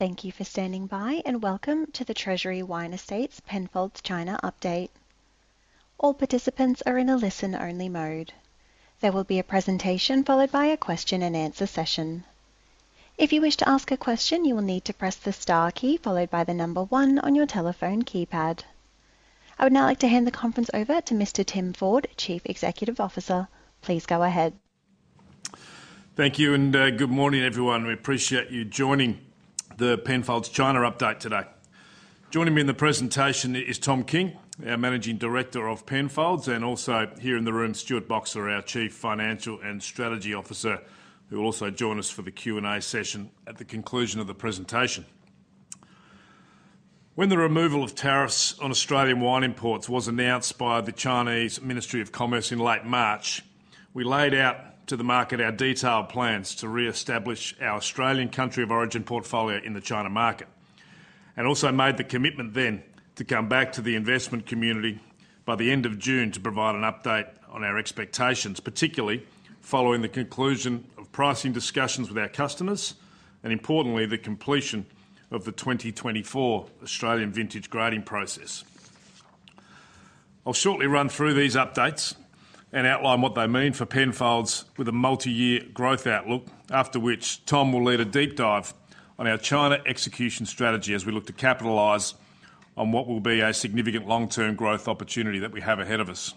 Thank you for standing by, and welcome to the Treasury Wine Estates Penfolds China update. All participants are in a listen-only mode. There will be a presentation followed by a question-and-answer session. If you wish to ask a question, you will need to press the star key followed by the number one on your telephone keypad. I would now like to hand the conference over to Mr. Tim Ford, Chief Executive Officer. Please go ahead. Thank you, and good morning, everyone. We appreciate you joining the Penfolds China update today. Joining me in the presentation is Tom King, our Managing Director of Penfolds, and also here in the room, Stuart Boxer, our Chief Financial and Strategy Officer, who will also join us for the Q&A session at the conclusion of the presentation. When the removal of tariffs on Australian wine imports was announced by the Chinese Ministry of Commerce in late March, we laid out to the market our detailed plans to reestablish our Australian country of origin portfolio in the China market, and also made the commitment then to come back to the investment community by the end of June to provide an update on our expectations, particularly following the conclusion of pricing discussions with our customers and, importantly, the completion of the 2024 Australian vintage grading process. I'll shortly run through these updates and outline what they mean for Penfolds with a multi-year growth outlook, after which Tom will lead a deep dive on our China execution strategy as we look to capitalize on what will be a significant long-term growth opportunity that we have ahead of us.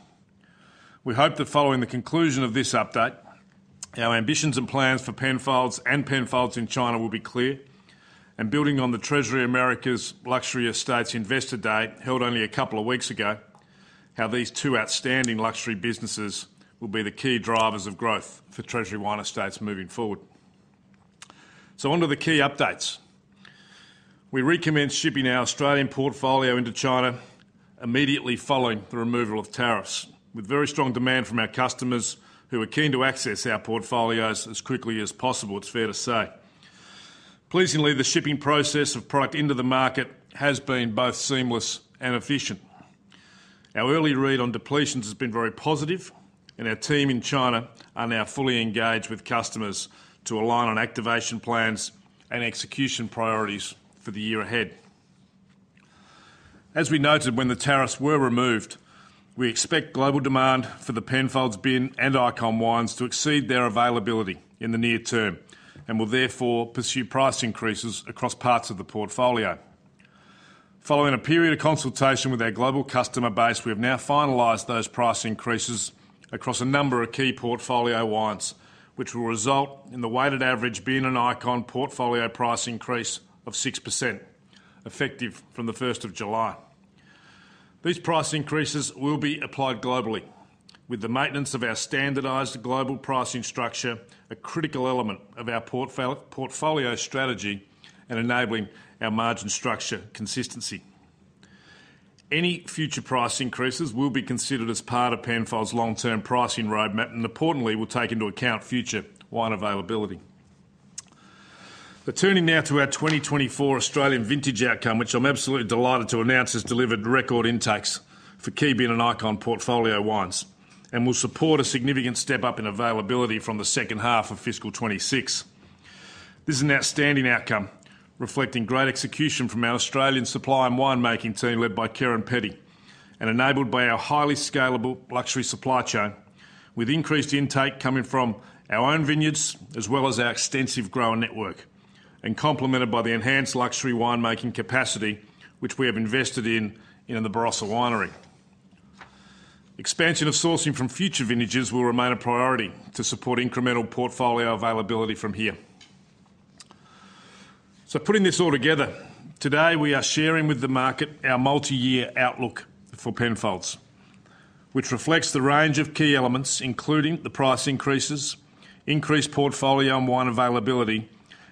We hope that following the conclusion of this update, our ambitions and plans for Penfolds and Penfolds in China will be clear, and building on the Treasury Americas Luxury Estates Investor Day, held only a couple of weeks ago, how these two outstanding luxury businesses will be the key drivers of growth for Treasury Wine Estates moving forward. On to the key updates. We recommence shipping our Australian portfolio into China immediately following the removal of tariffs, with very strong demand from our customers, who are keen to access our portfolios as quickly as possible; it's fair to say. Pleasingly, the shipping process of product into the market has been both seamless and efficient. Our early read on depletions has been very positive, and our team in China are now fully engaged with customers to align on activation plans and execution priorities for the year ahead. As we noted, when the tariffs were removed, we expect global demand for the Penfolds Bin and Icon wines to exceed their availability in the near term and will therefore pursue price increases across parts of the portfolio. Following a period of consultation with our global customer base, we have now finalized those price increases across a number of key portfolio wines, which will result in the weighted average Bin and Icon portfolio price increase of 6%, effective from the first of July. These price increases will be applied globally, with the maintenance of our standardized global pricing structure, a critical element of our portfolio strategy and enabling our margin structure consistency. Any future price increases will be considered as part of Penfolds' long-term pricing roadmap and, importantly, will take into account future wine availability. But turning now to our 2024 Australian vintage outcome, which I'm absolutely delighted to announce, has delivered record intakes for key Bin and Icon portfolio wines and will support a significant step up in availability from the second half of fiscal 2026. This is an outstanding outcome, reflecting great execution from our Australian supply and winemaking team, led by Kerrin Petty, and enabled by our highly scalable luxury supply chain, with increased intake coming from our own vineyards, as well as our extensive grower network, and complemented by the enhanced luxury winemaking capacity which we have invested in in the Barossa Winery. Expansion of sourcing from future vintages will remain a priority to support incremental portfolio availability from here. Putting this all together, today, we are sharing with the market our multi-year outlook for Penfolds, which reflects the range of key elements, including the price increases, increased portfolio and wine availability,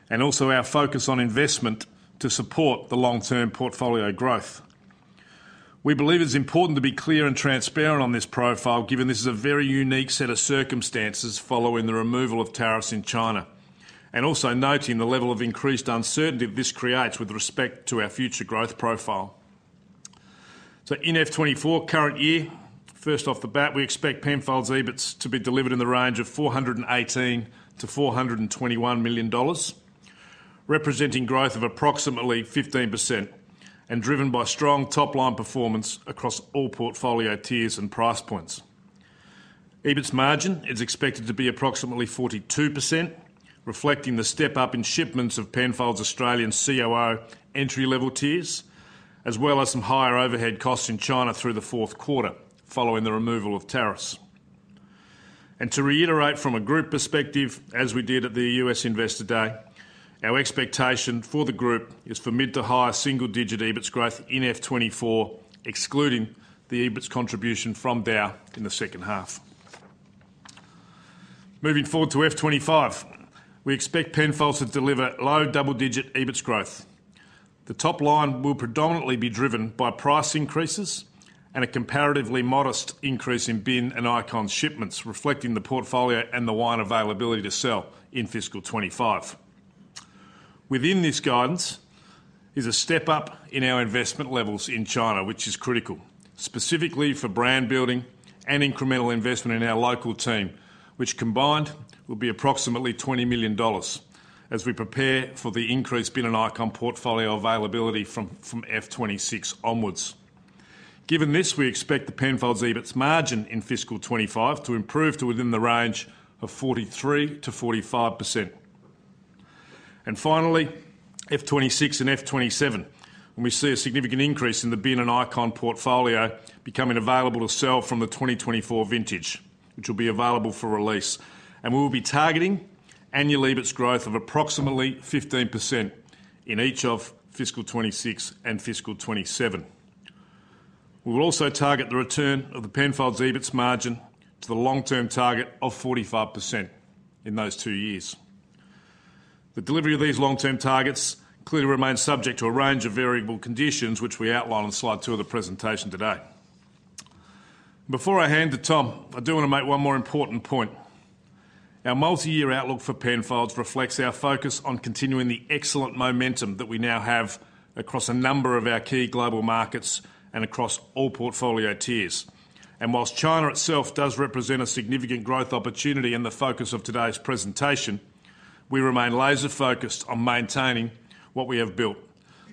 and also our focus on investment to support the long-term portfolio growth. We believe it's important to be clear and transparent on this profile, given this is a very unique set of circumstances following the removal of tariffs in China, and also noting the level of increased uncertainty this creates with respect to our future growth profile. So in FY 2024, current year, first off the bat, we expect Penfolds EBITS to be delivered in the range of 418 million-421 million dollars, representing growth of approximately 15% and driven by strong top-line performance across all portfolio tiers and price points. EBITS margin is expected to be approximately 42%, reflecting the step up in shipments of Penfolds Australian COO entry-level tiers, as well as some higher overhead costs in China through the fourth quarter, following the removal of tariffs. To reiterate from a group perspective, as we did at the US Investor Day, our expectation for the group is for mid- to high single-digit EBITS growth in FY 2024, excluding the EBITS contribution from DAOU in the second half. Moving forward to FY 2025, we expect Penfolds to deliver low double-digit EBITS growth. The top line will predominantly be driven by price increases and a comparatively modest increase in Bin and Icon shipments, reflecting the portfolio and the wine availability to sell in fiscal 2025. Within this guidance is a step up in our investment levels in China, which is critical, specifically for brand building and incremental investment in our local team, which combined will be approximately 20 million dollars as we prepare for the increased Bin and Icon portfolio availability from FY 2026 onwards. Given this, we expect the Penfolds EBITS margin in fiscal 2025 to improve to within the range of 43%-45%. Finally, FY 2026 and FY 2027, when we see a significant increase in the Bin and Icon portfolio becoming available to sell from the 2024 vintage, which will be available for release. We will be targeting annual EBITS growth of approximately 15% in each of fiscal 2026 and fiscal 2027. We will also target the return of the Penfolds EBITS margin to the long-term target of 45% in those two years. The delivery of these long-term targets clearly remains subject to a range of variable conditions, which we outline on slide 2 of the presentation today. Before I hand to Tom, I do wanna make one more important point. Our multi-year outlook for Penfolds reflects our focus on continuing the excellent momentum that we now have across a number of our key global markets and across all portfolio tiers. While China itself does represent a significant growth opportunity and the focus of today's presentation, we remain laser focused on maintaining what we have built,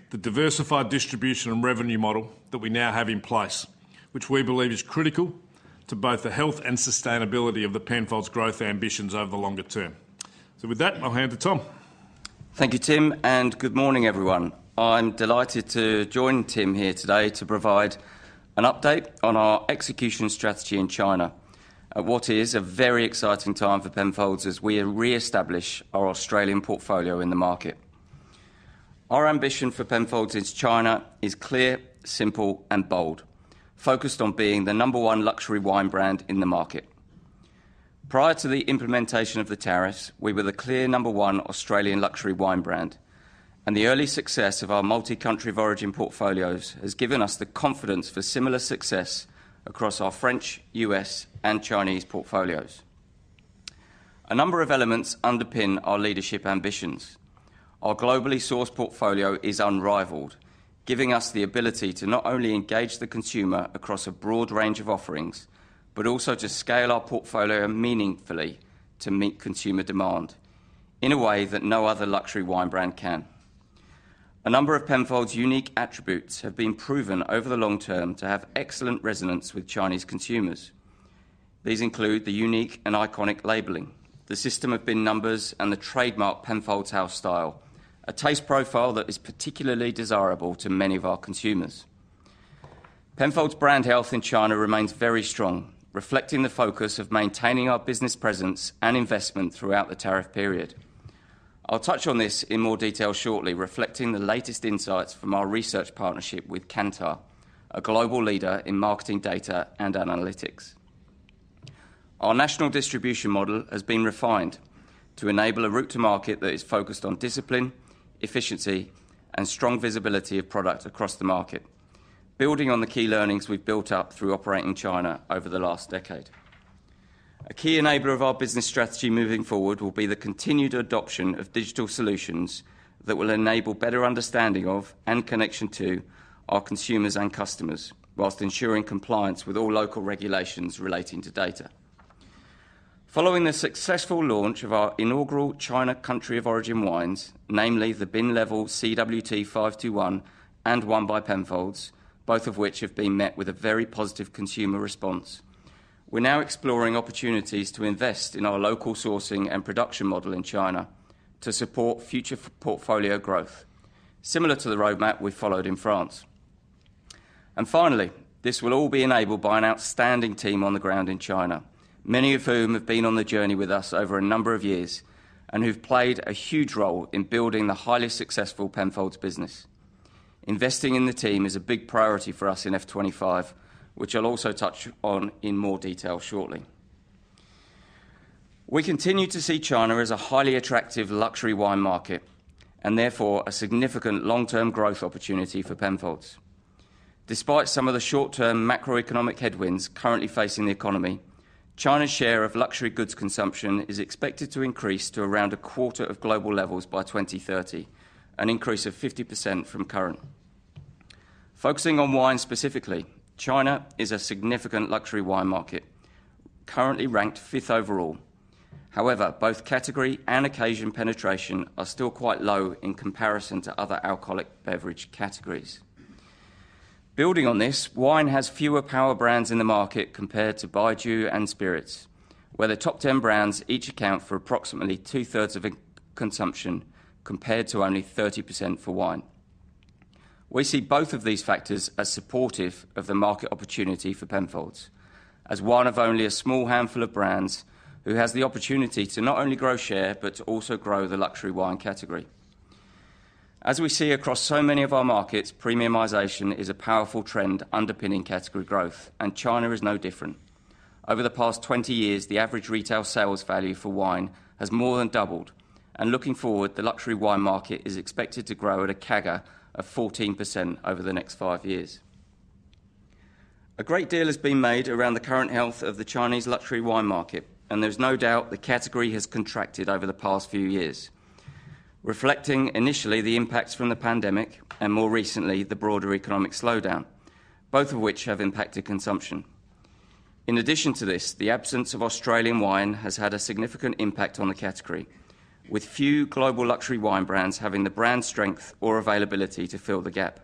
the diversified distribution and revenue model that we now have in place, which we believe is critical to both the health and sustainability of the Penfolds growth ambitions over the longer term. With that, I'll hand to Tom. Thank you, Tim, and good morning, everyone. I'm delighted to join Tim here today to provide an update on our execution strategy in China, at what is a very exciting time for Penfolds as we reestablish our Australian portfolio in the market. Our ambition for Penfolds in China is clear, simple, and bold, focused on being the number one luxury wine brand in the market. Prior to the implementation of the tariffs, we were the clear number one Australian luxury wine brand, and the early success of our multi-country origin portfolios has given us the confidence for similar success across our French, U.S., and Chinese portfolios. A number of elements underpin our leadership ambitions. Our globally sourced portfolio is unrivaled, giving us the ability to not only engage the consumer across a broad range of offerings, but also to scale our portfolio meaningfully to meet consumer demand in a way that no other luxury wine brand can. A number of Penfolds' unique attributes have been proven over the long term to have excellent resonance with Chinese consumers. These include the unique and iconic labeling, the system of bin numbers, and the trademark Penfolds House style, a taste profile that is particularly desirable to many of our consumers. Penfolds brand health in China remains very strong, reflecting the focus of maintaining our business presence and investment throughout the tariff period. I'll touch on this in more detail shortly, reflecting the latest insights from our research partnership with Kantar, a global leader in marketing data and analytics. Our national distribution model has been refined to enable a route to market that is focused on discipline, efficiency, and strong visibility of product across the market, building on the key learnings we've built up through operating China over the last decade. A key enabler of our business strategy moving forward will be the continued adoption of digital solutions that will enable better understanding of, and connection to, our consumers and customers, while ensuring compliance with all local regulations relating to data. Following the successful launch of our inaugural China Country of Origin wines, namely the Bin level CWT 521 and One by Penfolds, both of which have been met with a very positive consumer response. We're now exploring opportunities to invest in our local sourcing and production model in China to support future portfolio growth, similar to the roadmap we followed in France. Finally, this will all be enabled by an outstanding team on the ground in China, many of whom have been on the journey with us over a number of years and who've played a huge role in building the highly successful Penfolds business. Investing in the team is a big priority for us in F 25, which I'll also touch on in more detail shortly. We continue to see China as a highly attractive luxury wine market and therefore, a significant long-term growth opportunity for Penfolds. Despite some of the short-term macroeconomic headwinds currently facing the economy, China's share of luxury goods consumption is expected to increase to around a quarter of global levels by 2030, an increase of 50% from current. Focusing on wine specifically, China is a significant luxury wine market, currently ranked fifth overall. However, both category and occasion penetration are still quite low in comparison to other alcoholic beverage categories. Building on this, wine has fewer power brands in the market compared to baijiu and spirits, where the top 10 brands each account for approximately two-thirds of the consumption, compared to only 30% for wine. We see both of these factors as supportive of the market opportunity for Penfolds, as one of only a small handful of brands who has the opportunity to not only grow share, but to also grow the luxury wine category. As we see across so many of our markets, premiumization is a powerful trend underpinning category growth, and China is no different. Over the past 20 years, the average retail sales value for wine has more than doubled, and looking forward, the luxury wine market is expected to grow at a CAGR of 14% over the next 5 years. A great deal has been made around the current health of the Chinese luxury wine market, and there's no doubt the category has contracted over the past few years, reflecting initially the impacts from the pandemic and more recently, the broader economic slowdown, both of which have impacted consumption. In addition to this, the absence of Australian wine has had a significant impact on the category, with few global luxury wine brands having the brand strength or availability to fill the gap.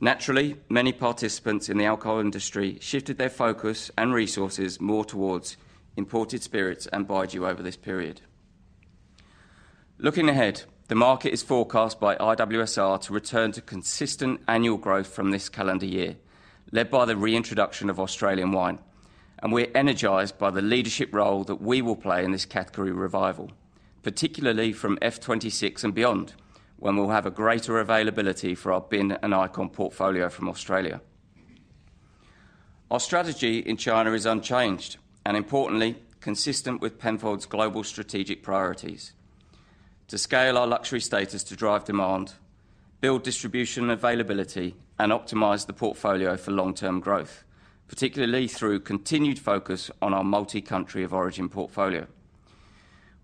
Naturally, many participants in the alcohol industry shifted their focus and resources more towards imported spirits and baijiu over this period. Looking ahead, the market is forecast by IWSR to return to consistent annual growth from this calendar year, led by the reintroduction of Australian wine. We're energized by the leadership role that we will play in this category revival, particularly from FY 26 and beyond, when we'll have a greater availability for our Bin and Icon portfolio from Australia. Our strategy in China is unchanged, and importantly, consistent with Penfolds global strategic priorities: to scale our luxury status to drive demand, build distribution availability, and optimize the portfolio for long-term growth, particularly through continued focus on our multi-country of origin portfolio.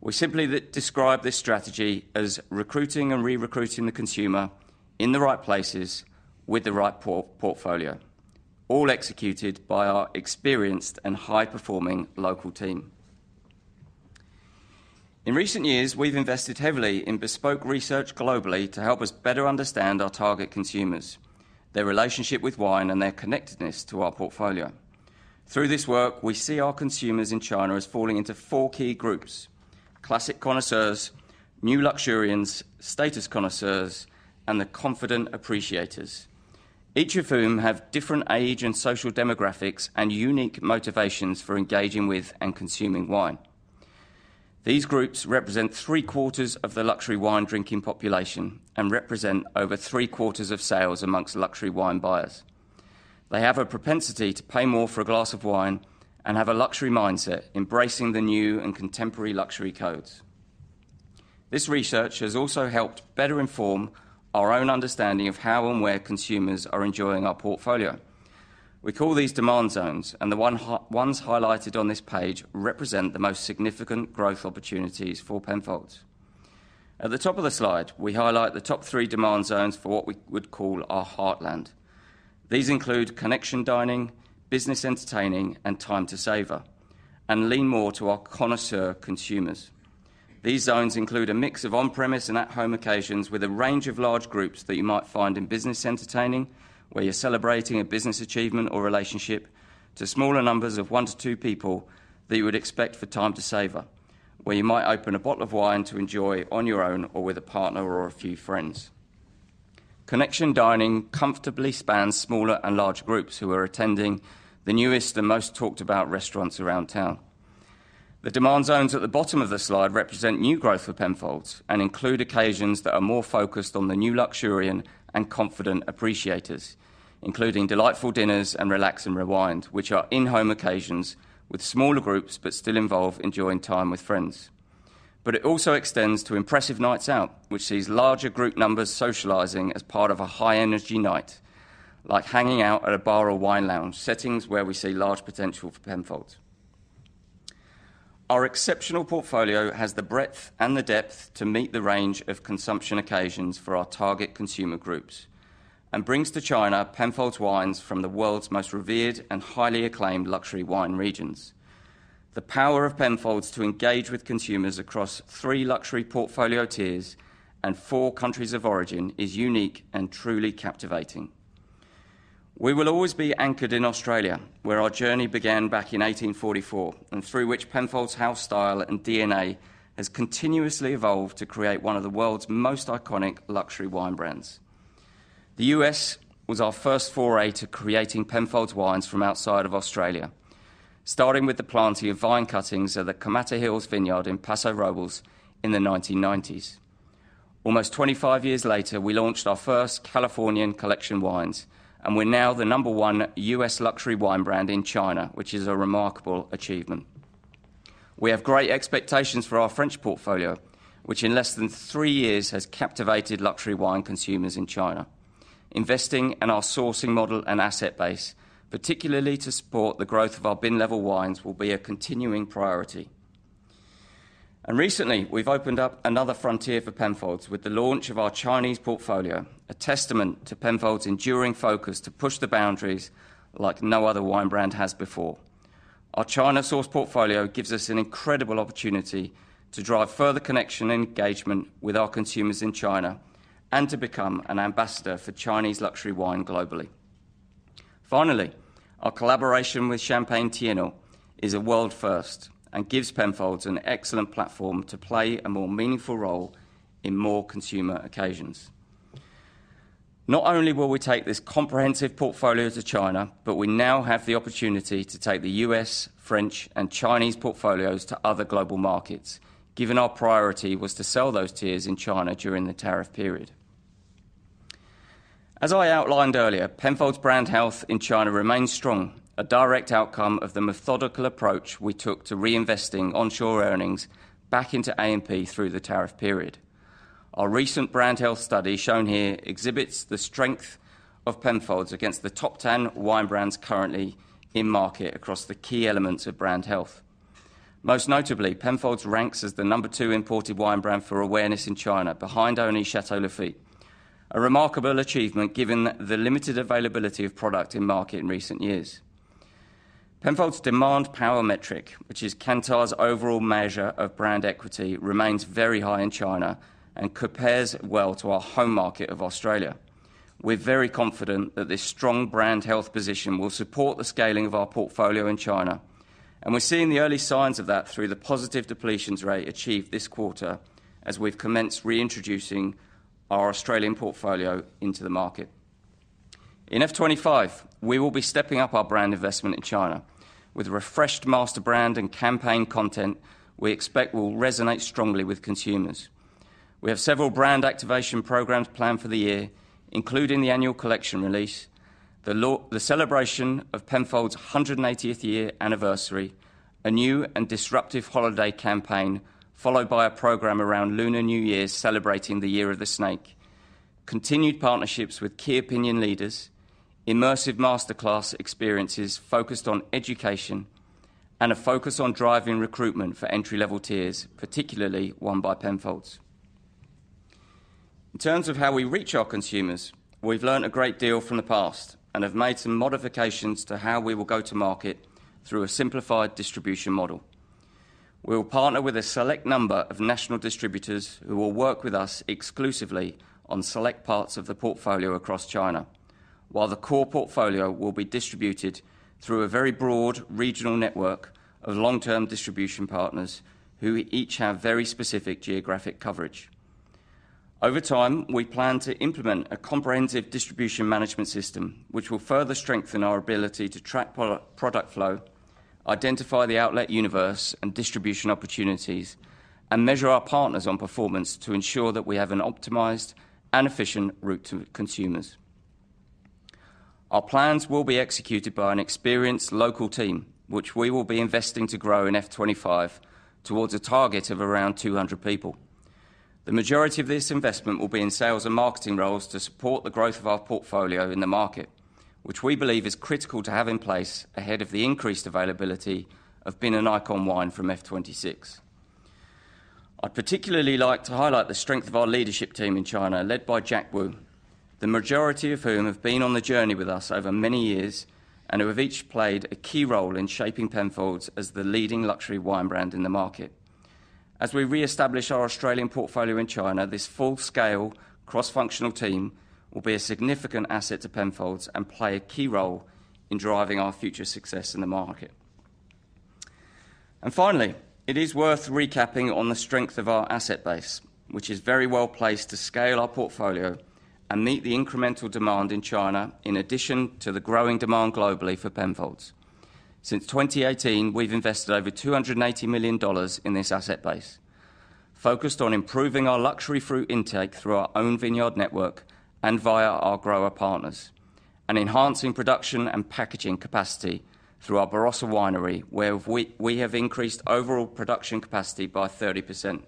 We simply describe this strategy as recruiting and re-recruiting the consumer in the right places with the right portfolio, all executed by our experienced and high-performing local team. In recent years, we've invested heavily in bespoke research globally to help us better understand our target consumers, their relationship with wine, and their connectedness to our portfolio. Through this work, we see our consumers in China as falling into four key groups: Classic Connoisseurs, New Luxurians, Status Connoisseurs, and the Confident Appreciators, each of whom have different age and social demographics and unique motivations for engaging with and consuming wine. These groups represent three-quarters of the luxury wine-drinking population and represent over three-quarters of sales among luxury wine buyers. They have a propensity to pay more for a glass of wine and have a luxury mindset, embracing the new and contemporary luxury codes. This research has also helped better inform our own understanding of how and where consumers are enjoying our portfolio. We call these demand zones, and the ones highlighted on this page represent the most significant growth opportunities for Penfolds. At the top of the slide, we highlight the top three demand zones for what we would call our heartland. These include Connection Dining, Business Entertaining, and Time to Savor, and lean more to our connoisseur consumers. These zones include a mix of on-premise and at-home occasions with a range of large groups that you might find in business entertaining, where you're celebrating a business achievement or relationship, to smaller numbers of one to two people that you would expect for time to savor, where you might open a bottle of wine to enjoy on your own or with a partner or a few friends. Connection dining comfortably spans smaller and larger groups who are attending the newest and most talked about restaurants around town. The demand zones at the bottom of the slide represent new growth for Penfolds and include occasions that are more focused on the New Luxurians and Confident Appreciators, including Delightful Dinners and Relax and Rewind, which are in-home occasions with smaller groups, but still involve enjoying time with friends. It also extends to Impressive Nights Out, which sees larger group numbers socializing as part of a high-energy night, like hanging out at a bar or wine lounge, settings where we see large potential for Penfolds. Our exceptional portfolio has the breadth and the depth to meet the range of consumption occasions for our target consumer groups and brings to China Penfolds wines from the world's most revered and highly acclaimed luxury wine regions. The power of Penfolds to engage with consumers across three luxury portfolio tiers and four countries of origin is unique and truly captivating. We will always be anchored in Australia, where our journey began back in 1844, and through which Penfolds house style and DNA has continuously evolved to create one of the world's most iconic luxury wine brands. The U.S. was our first foray to creating Penfolds wines from outside of Australia, starting with the planting of vine cuttings at the Camatta Hills Vineyard in Paso Robles in the 1990s. Almost 25 years later, we launched our first California Collection wines, and we're now the number one U.S. luxury wine brand in China, which is a remarkable achievement. We have great expectations for our French portfolio, which in less than three years has captivated luxury wine consumers in China. Investing in our sourcing model and asset base, particularly to support the growth of our bin-level wines, will be a continuing priority. Recently, we've opened up another frontier for Penfolds with the launch of our Chinese portfolio, a testament to Penfolds' enduring focus to push the boundaries like no other wine brand has before. Our China source portfolio gives us an incredible opportunity to drive further connection and engagement with our consumers in China and to become an ambassador for Chinese luxury wine globally. Finally, our collaboration with Champagne Thiénot is a world first and gives Penfolds an excellent platform to play a more meaningful role in more consumer occasions. Not only will we take this comprehensive portfolio to China, but we now have the opportunity to take the U.S., French, and Chinese portfolios to other global markets, given our priority was to sell those tiers in China during the tariff period. As I outlined earlier, Penfolds brand health in China remains strong... A direct outcome of the methodical approach we took to reinvesting onshore earnings back into A&P through the tariff period. Our recent brand health study, shown here, exhibits the strength of Penfolds against the top 10 wine brands currently in market across the key elements of brand health. Most notably, Penfolds ranks as the number 2 imported wine brand for awareness in China, behind only Château Lafite. A remarkable achievement, given the limited availability of product in market in recent years. Penfolds Demand Power Metric, which is Kantar's overall measure of brand equity, remains very high in China and compares well to our home market of Australia. We're very confident that this strong brand health position will support the scaling of our portfolio in China, and we're seeing the early signs of that through the positive depletions rate achieved this quarter as we've commenced reintroducing our Australian portfolio into the market. In F 25, we will be stepping up our brand investment in China with a refreshed master brand and campaign content we expect will resonate strongly with consumers. We have several brand activation programs planned for the year, including the annual collection release, the celebration of Penfolds' 180th year anniversary, a new and disruptive holiday campaign, followed by a program around Lunar New Year, celebrating the Year of the Snake. Continued partnerships with key opinion leaders, immersive master class experiences focused on education, and a focus on driving recruitment for entry-level tiers, particularly One by Penfolds. In terms of how we reach our consumers, we've learned a great deal from the past and have made some modifications to how we will go to market through a simplified distribution model. We will partner with a select number of national distributors, who will work with us exclusively on select parts of the portfolio across China, while the core portfolio will be distributed through a very broad regional network of long-term distribution partners, who each have very specific geographic coverage. Over time, we plan to implement a comprehensive distribution management system, which will further strengthen our ability to track product flow, identify the outlet universe and distribution opportunities, and measure our partners on performance to ensure that we have an optimized and efficient route to consumers. Our plans will be executed by an experienced local team, which we will be investing to grow in FY 2025 towards a target of around 200 people. The majority of this investment will be in sales and marketing roles to support the growth of our portfolio in the market, which we believe is critical to have in place ahead of the increased availability of Bin and Icon wine from FY 2026. I'd particularly like to highlight the strength of our leadership team in China, led by Jack Wu, the majority of whom have been on the journey with us over many years, and who have each played a key role in shaping Penfolds as the leading luxury wine brand in the market. As we reestablish our Australian portfolio in China, this full-scale cross-functional team will be a significant asset to Penfolds and play a key role in driving our future success in the market. And finally, it is worth recapping on the strength of our asset base, which is very well placed to scale our portfolio and meet the incremental demand in China, in addition to the growing demand globally for Penfolds. Since 2018, we've invested over 280 million dollars in this asset base, focused on improving our luxury fruit intake through our own vineyard network and via our grower partners. And enhancing production and packaging capacity through our Barossa winery, where we have increased overall production capacity by 30%,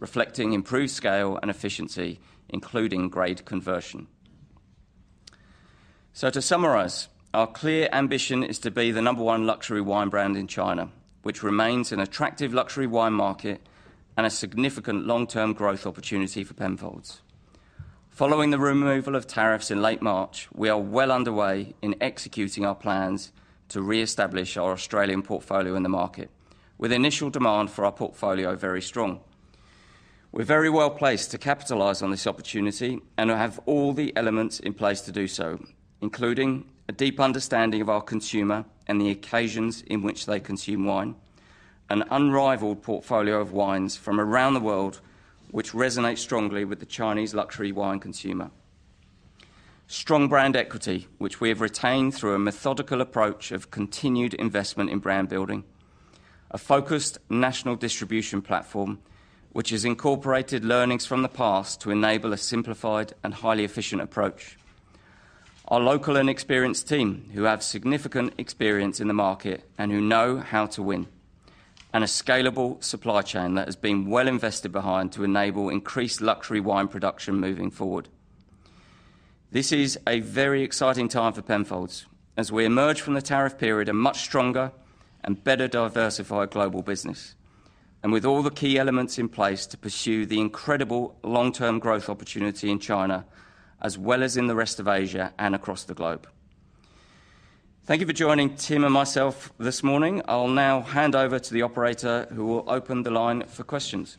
reflecting improved scale and efficiency, including grade conversion. To summarize, our clear ambition is to be the number one luxury wine brand in China, which remains an attractive luxury wine market and a significant long-term growth opportunity for Penfolds. Following the removal of tariffs in late March, we are well underway in executing our plans to reestablish our Australian portfolio in the market, with initial demand for our portfolio very strong. We're very well placed to capitalize on this opportunity and have all the elements in place to do so, including a deep understanding of our consumer and the occasions in which they consume wine, an unrivaled portfolio of wines from around the world, which resonates strongly with the Chinese luxury wine consumer, strong brand equity, which we have retained through a methodical approach of continued investment in brand building. A focused national distribution platform, which has incorporated learnings from the past to enable a simplified and highly efficient approach. Our local and experienced team, who have significant experience in the market and who know how to win. A scalable supply chain that has been well invested behind to enable increased luxury wine production moving forward. This is a very exciting time for Penfolds as we emerge from the tariff period a much stronger and better diversified global business, and with all the key elements in place to pursue the incredible long-term growth opportunity in China, as well as in the rest of Asia and across the globe. Thank you for joining Tim and myself this morning. I'll now hand over to the operator, who will open the line for questions.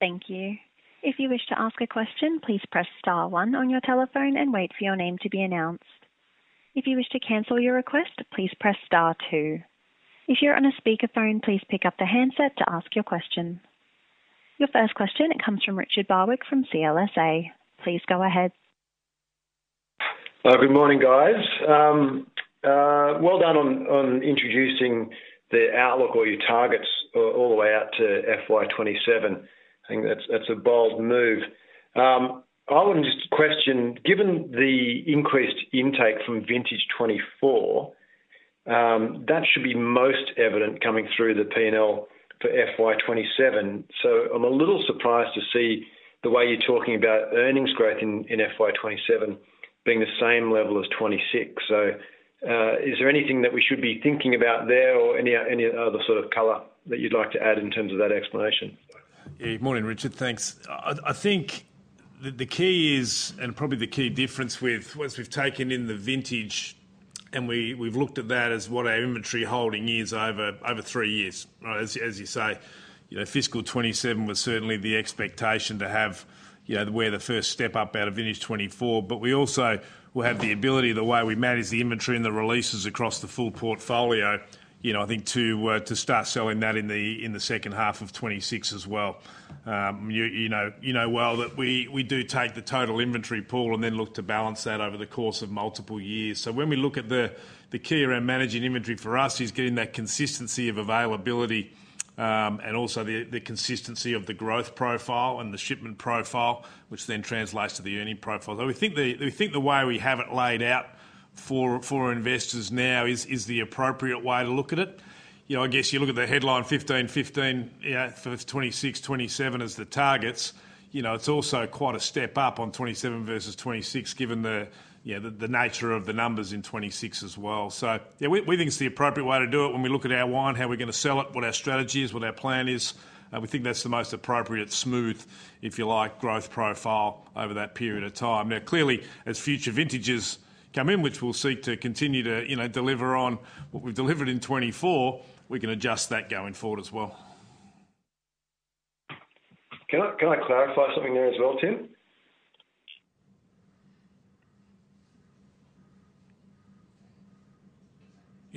Thank you. If you wish to ask a question, please press star one on your telephone and wait for your name to be announced. If you wish to cancel your request, please press star two. If you're on a speakerphone, please pick up the handset to ask your question. Your first question comes from Richard Barwick, from CLSA. Please go ahead. Good morning, guys. Well done on introducing the outlook or your targets all the way out to FY 2027. I think that's, that's a bold move. I want to just question, given the increased intake from vintage 2024, that should be most evident coming through the P&L for FY 2027. So I'm a little surprised to see the way you're talking about earnings growth in FY 2027 being the same level as 2026. So, is there anything that we should be thinking about there or any other sort of color that you'd like to add in terms of that explanation? Yeah, good morning, Richard. Thanks. I think the key is, and probably the key difference with, once we've taken in the vintage, and we've looked at that as what our inventory holding is over three years, right? As you say, you know, fiscal 2027 was certainly the expectation to have, you know, where the first step up out of vintage 2024. But we also will have the ability, the way we manage the inventory and the releases across the full portfolio, you know, I think to start selling that in the second half of 2026 as well. You know well that we do take the total inventory pool and then look to balance that over the course of multiple years. So when we look at the key around managing inventory for us is getting that consistency of availability, and also the consistency of the growth profile and the shipment profile, which then translates to the earning profile. So we think the way we have it laid out for investors now is the appropriate way to look at it. You know, I guess you look at the headline 15, 15, yeah, for 2026, 2027 as the targets. You know, it's also quite a step up on 2027 versus 2026, given, you know, the nature of the numbers in 2026 as well. So yeah, we think it's the appropriate way to do it. When we look at our wine, how we're going to sell it, what our strategy is, what our plan is, we think that's the most appropriate, smooth, if you like, growth profile over that period of time. Now, clearly, as future vintages come in, which we'll seek to continue to, you know, deliver on what we've delivered in 2024, we can adjust that going forward as well. Can I, can I clarify something there as well, Tim?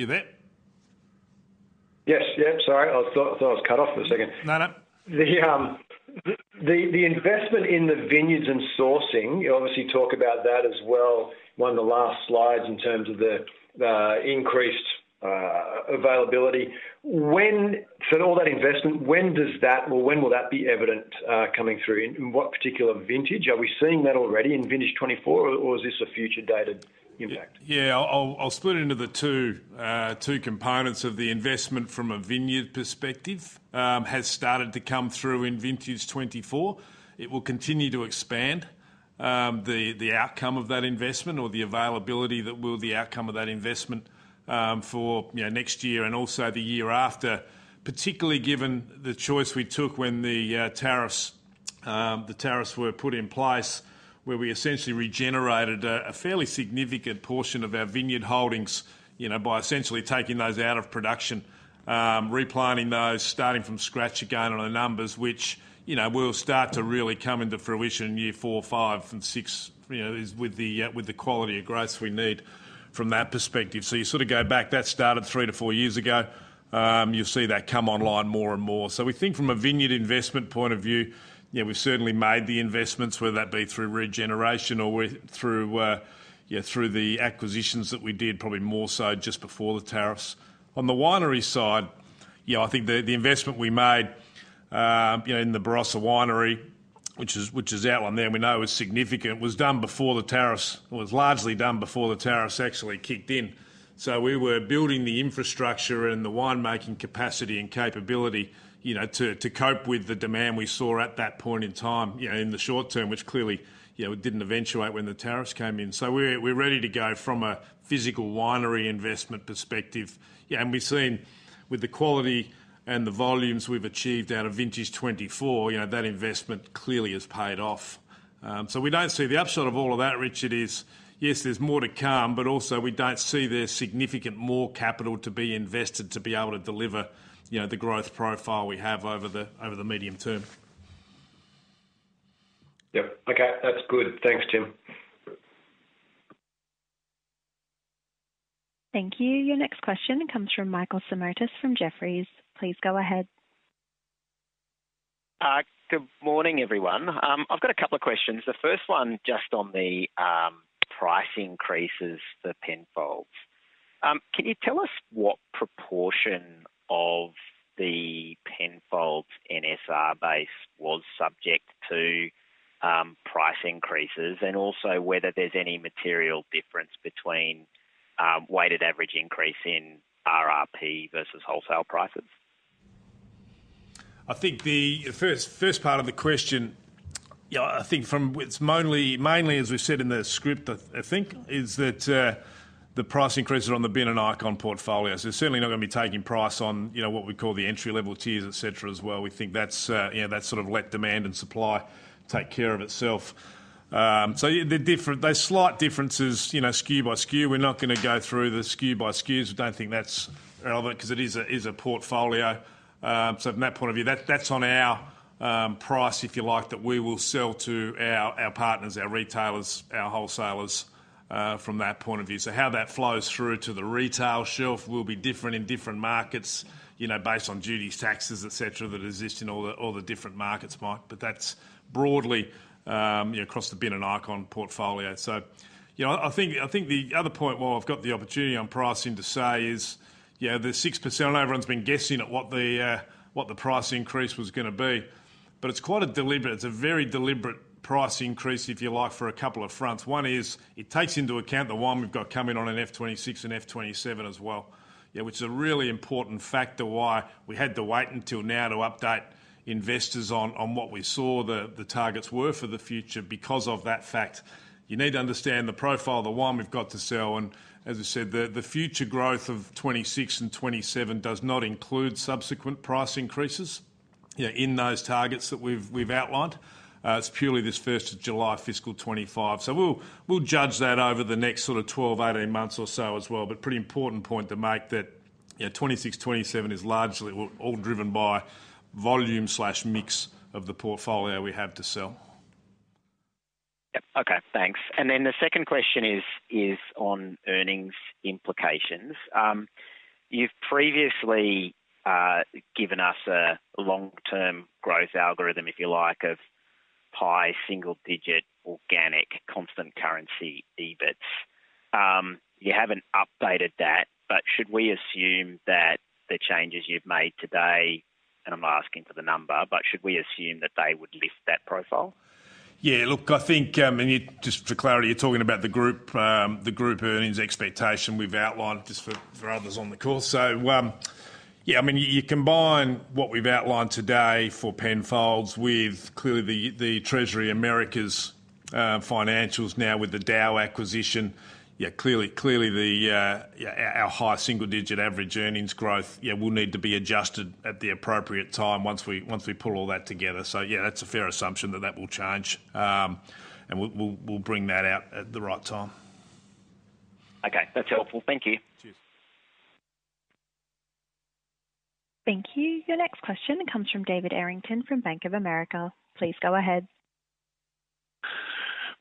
You there? Yes, yeah, sorry. I thought I was cut off for a second. No, no. The investment in the vineyards and sourcing, you obviously talk about that as well, one of the last slides in terms of the increased availability. So all that investment, when does that or when will that be evident, coming through? In what particular vintage? Are we seeing that already in vintage 2024, or is this a future dated impact? Yeah, I'll split into the two components of the investment from a vineyard perspective has started to come through in vintage 2024. It will continue to expand the outcome of that investment or the availability that will the outcome of that investment for, you know, next year and also the year after. Particularly given the choice we took when the tariffs were put in place, where we essentially regenerated a fairly significant portion of our vineyard holdings, you know, by essentially taking those out of production, replanting those, starting from scratch again on the numbers, which, you know, will start to really come into fruition in year four, five, and six, you know, with the quality of growth we need from that perspective. So you sort of go back, that started 3-4 years ago. You'll see that come online more and more. So we think from a vineyard investment point of view, yeah, we've certainly made the investments, whether that be through regeneration or with, through, yeah, through the acquisitions that we did, probably more so just before the tariffs. On the winery side, yeah, I think the investment we made, you know, in the Barossa Winery, which is our one there, we know is significant, was done before the tariffs, was largely done before the tariffs actually kicked in. So we were building the infrastructure and the winemaking capacity and capability, you know, to cope with the demand we saw at that point in time, you know, in the short term, which clearly, you know, didn't eventuate when the tariffs came in. So we're ready to go from a physical winery investment perspective. Yeah, and we've seen with the quality and the volumes we've achieved out of vintage 2024, you know, that investment clearly has paid off. So we don't see the upshot of all of that, Richard, is, yes, there's more to come, but also we don't see there's significant more capital to be invested to be able to deliver, you know, the growth profile we have over the medium term. Yep. Okay, that's good. Thanks, Tim. Thank you. Your next question comes from Michael Simotas, from Jefferies. Please go ahead. Good morning, everyone. I've got a couple of questions. The first one, just on the price increases for Penfolds. Can you tell us what proportion of the Penfolds NSR base was subject to price increases? And also whether there's any material difference between weighted average increase in RRP versus wholesale prices? I think the first part of the question, yeah, I think it's mainly, as we've said in the script, I think, is that the price increases are on the Bin and Icon portfolios. We're certainly not going to be taking price on, you know, what we call the entry-level tiers, et cetera, as well. We think that's, you know, that's sort of let demand and supply take care of itself. So yeah, there's slight differences, you know, SKU by SKU. We're not going to go through the SKU by SKUs. We don't think that's relevant because it is a portfolio. So from that point of view, that's on our price, if you like, that we will sell to our partners, our retailers, our wholesalers, from that point of view. So how that flows through to the retail shelf will be different in different markets, you know, based on duties, taxes, et cetera, that exist in all the, all the different markets, Mike, but that's broadly, you know, across the Bin and Icon portfolio. So, you know, I think, I think the other point, while I've got the opportunity on pricing to say is, yeah, the 6%, and everyone's been guessing at what the, what the price increase was gonna be, but it's quite a deliberate, it's a very deliberate price increase, if you like, for a couple of fronts. One is, it takes into account the wine we've got coming on in FY 2026 and FY 2027 as well. Yeah, which is a really important factor why we had to wait until now to update investors on what we saw the targets were for the future. Because of that fact, you need to understand the profile of the wine we've got to sell, and as I said, the future growth of 26 and 27 does not include subsequent price increases, yeah, in those targets that we've outlined. It's purely this first of July fiscal 25. So we'll judge that over the next sort of 12, 18 months or so as well, but pretty important point to make that, you know, 26, 27 is largely all driven by volume slash mix of the portfolio we have to sell. Yep. Okay, thanks. And then the second question is on earnings implications. You've previously given us a long-term growth algorithm, if you like, of high single digit organic, constant currency, EBITS. You haven't updated that, but should we assume that the changes you've made today, and I'm not asking for the number, but should we assume that they would lift that profile? Yeah, look, I think, and you—just for clarity, you're talking about the group, the group earnings expectation we've outlined just for, for others on the call. So, yeah, I mean, you, you combine what we've outlined today for Penfolds with clearly the, the Treasury Americas financials now with the DAOU acquisition. Yeah, clearly, clearly, the, yeah, our high single-digit average earnings growth, yeah, will need to be adjusted at the appropriate time once we, once we pull all that together. So, yeah, that's a fair assumption that that will change. And we'll, we'll, we'll bring that out at the right time. Okay, that's helpful. Thank you. Cheers. Thank you. Your next question comes from David Errington from Bank of America. Please go ahead.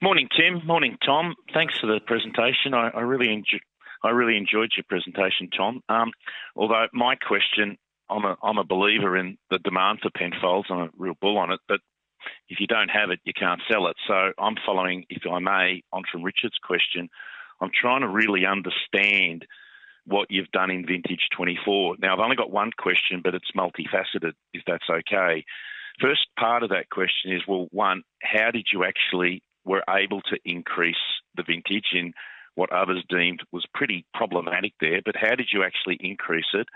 Morning, Tim. Morning, Tom. Thanks for the presentation. I really enjoyed your presentation, Tom. Although my question, I'm a believer in the demand for Penfolds. I'm a real bull on it, but if you don't have it, you can't sell it. So I'm following, if I may, on from Richard's question, I'm trying to really understand what you've done in vintage 2024. Now, I've only got one question, but it's multifaceted, if that's okay. First part of that question is, well, one, how did you actually were able to increase the vintage in what others deemed was pretty problematic there, but how did you actually increase it?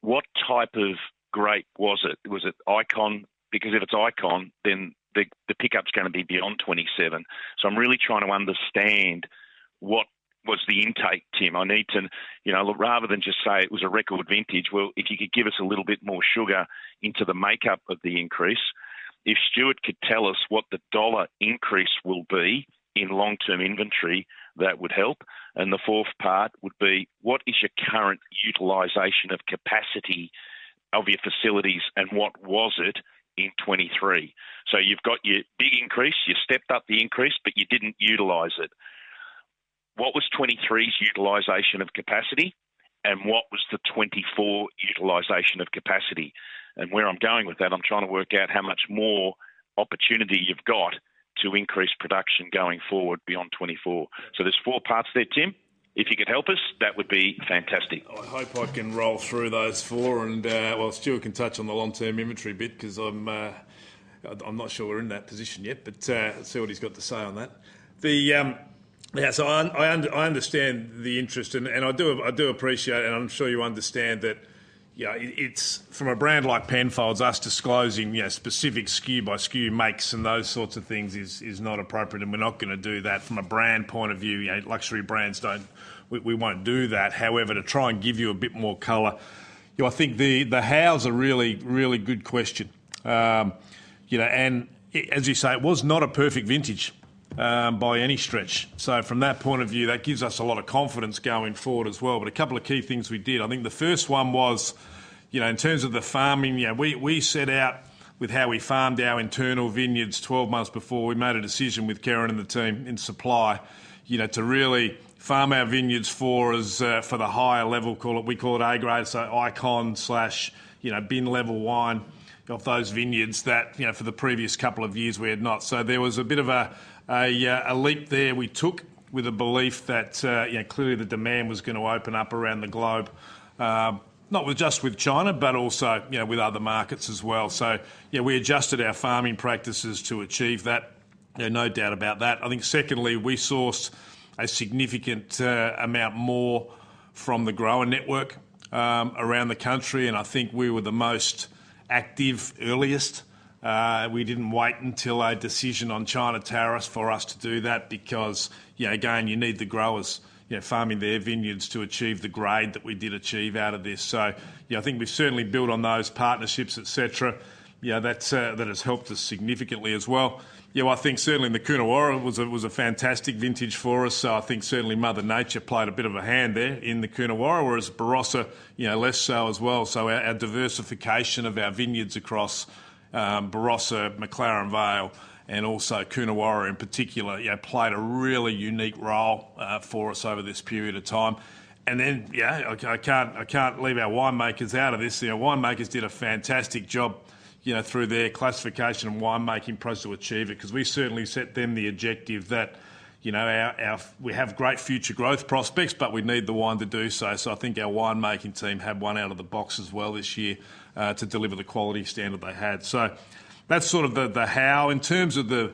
What type of grape was it? Was it Icon? Because if it's Icon, then the pickup's gonna be beyond 27. So I'm really trying to understand what was the intake, Tim. I need to, you know, rather than just say it was a record vintage, well, if you could give us a little bit more sugar into the makeup of the increase. If Stuart could tell us what the dollar increase will be in long-term inventory, that would help. And the fourth part would be: What is your current utilization of capacity of your facilities, and what was it in 2023? So you've got your big increase, you stepped up the increase, but you didn't utilize it. What was 2023's utilization of capacity, and what was the 2024 utilization of capacity? And where I'm going with that, I'm trying to work out how much more opportunity you've got to increase production going forward beyond 2024. So there's four parts there, Tim. If you could help us, that would be fantastic. I hope I can roll through those four and... Well, Stuart can touch on the long-term inventory bit because I'm not sure we're in that position yet, but let's see what he's got to say on that. So I understand the interest, and I do appreciate, and I'm sure you understand that, you know, it's from a brand like Penfolds, us disclosing, you know, specific SKU by SKU makes and those sorts of things is not appropriate, and we're not gonna do that from a brand point of view. You know, luxury brands don't... We won't do that. However, to try and give you a bit more color, you know, I think the hows a really, really good question. You know, as you say, it was not a perfect vintage by any stretch. So from that point of view, that gives us a lot of confidence going forward as well. But a couple of key things we did, I think the first one was, you know, in terms of the farming, you know, we set out with how we farmed our internal vineyards 12 months before. We made a decision with Kerrin and the team in supply, you know, to really farm our vineyards for the higher level, call it, we call it A-grade, so Icon / bin-level wine of those vineyards that, you know, for the previous couple of years, we had not. So there was a bit of a leap there we took with a belief that, you know, clearly the demand was gonna open up around the globe, not just with China, but also, you know, with other markets as well. So, yeah, we adjusted our farming practices to achieve that. Yeah, no doubt about that. I think secondly, we sourced a significant amount more from the grower network around the country, and I think we were the most active. We didn't wait until a decision on China tariffs for us to do that because, you know, again, you need the growers, you know, farming their vineyards to achieve the grade that we did achieve out of this. So, yeah, I think we've certainly built on those partnerships, et cetera. Yeah, that's, that has helped us significantly as well. You know, I think certainly the Coonawarra was a fantastic vintage for us, so I think certainly Mother Nature played a bit of a hand there in the Coonawarra, whereas Barossa, you know, less so as well. So our diversification of our vineyards across Barossa, McLaren Vale, and also Coonawarra in particular, yeah, played a really unique role for us over this period of time. And then, yeah, I can't leave our winemakers out of this. You know, winemakers did a fantastic job, you know, through their classification and winemaking process to achieve it. 'Cause we certainly set them the objective that, you know, our—we have great future growth prospects, but we need the wine to do so. So I think our winemaking team had one out of the box as well this year to deliver the quality standard they had. So that's sort of the how. In terms of the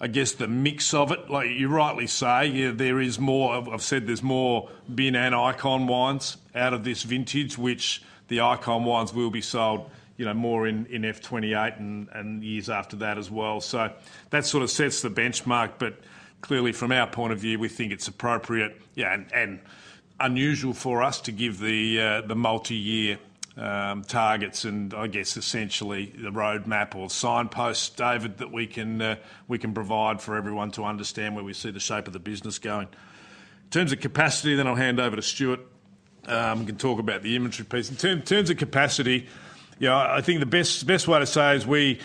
I guess the mix of it, like you rightly say, yeah, there is more. I've said there's more Bin and Icon wines out of this vintage, which the Icon wines will be sold, you know, more in FY 2028 and years after that as well. So that sort of sets the benchmark, but clearly from our point of view, we think it's appropriate, yeah, and unusual for us to give the multiyear targets, and I guess essentially the roadmap or signposts, David, that we can provide for everyone to understand where we see the shape of the business going. In terms of capacity, then I'll hand over to Stuart, who can talk about the inventory piece. In terms of capacity, yeah, I think the best way to say is we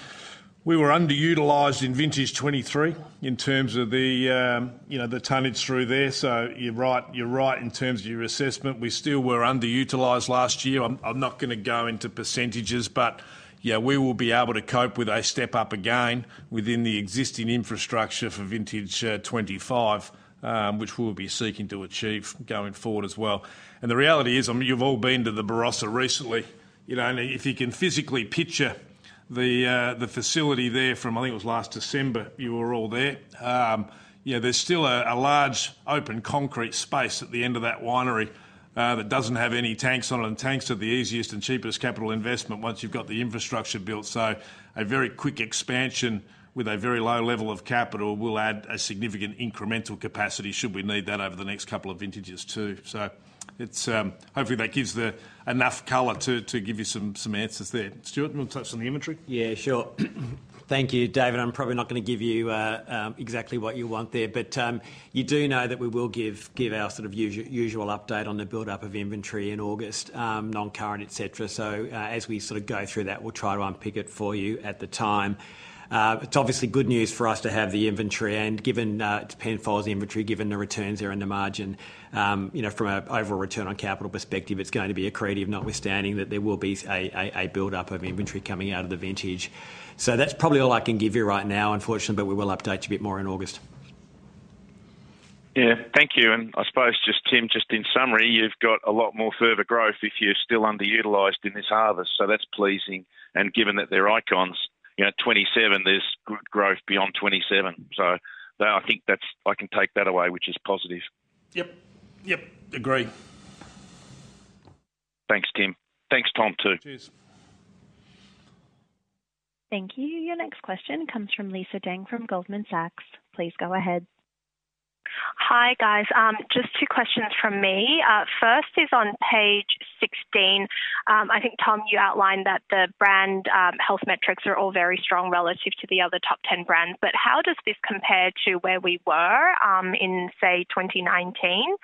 were underutilized in vintage 23 in terms of the, you know, the tonnage through there. So you're right, you're right in terms of your assessment. We still were underutilized last year. I'm not gonna go into percentages, but, yeah, we will be able to cope with a step up again within the existing infrastructure for vintage 25, which we'll be seeking to achieve going forward as well. And the reality is, I mean, you've all been to the Barossa recently. You know, and if you can physically picture the facility there from, I think it was last December, you were all there. Yeah, there's still a large open concrete space at the end of that winery that doesn't have any tanks on it, and tanks are the easiest and cheapest capital investment once you've got the infrastructure built. So a very quick expansion with a very low level of capital will add a significant incremental capacity should we need that over the next couple of vintages, too. So it's hopefully that gives the enough color to give you some answers there. Stuart, you want to touch on the inventory? Yeah, sure. Thank you, David. I'm probably not gonna give you exactly what you want there, but you do know that we will give our sort of usual update on the buildup of inventory in August, non-current, et cetera. So, as we sort of go through that, we'll try to unpick it for you at the time. It's obviously good news for us to have the inventory, and given the Penfolds inventory, given the returns there and the margin, you know, from an overall return on capital perspective, it's going to be accretive, notwithstanding that there will be a buildup of inventory coming out of the vintage. So that's probably all I can give you right now, unfortunately, but we will update you a bit more in August. Yeah. Thank you, and I suppose just, Tim, just in summary, you've got a lot more further growth if you're still underutilized in this harvest, so that's pleasing. And given that they're icons, you know, 27, there's good growth beyond 27. So I think that's. I can take that away, which is positive. Yep. Yep, agreed. Thanks, Tim. Thanks, Tom, too. Cheers. Thank you. Your next question comes from Lisa Deng, from Goldman Sachs. Please go ahead. Hi, guys. Just two questions from me. First is on page 16. I think, Tom, you outlined that the brand health metrics are all very strong relative to the other top 10 brands, but how does this compare to where we were in, say, 2019?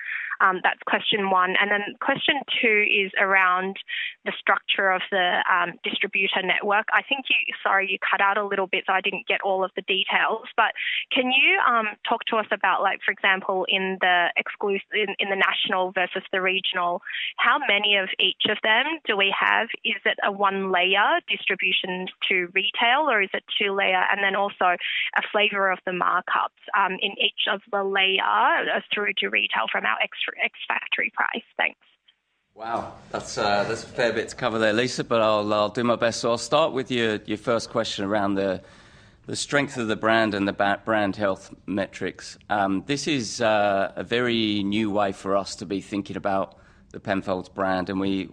That's question one, and then question two is around the structure of the distributor network. I think you- Sorry, you cut out a little bit, so I didn't get all of the details. But can you talk to us about, like, for example, in the exclusive, in the national versus the regional, how many of each of them do we have? Is it a one-layer distribution to retail, or is it two-layer? And then also a flavor of the markups in each of the layer through to retail from our ex-factory price. Thanks. Wow! That's a fair bit to cover there, Lisa, but I'll do my best. So I'll start with your first question around the strength of the brand and the brand health metrics. This is a very new way for us to be thinking about the Penfolds brand, and we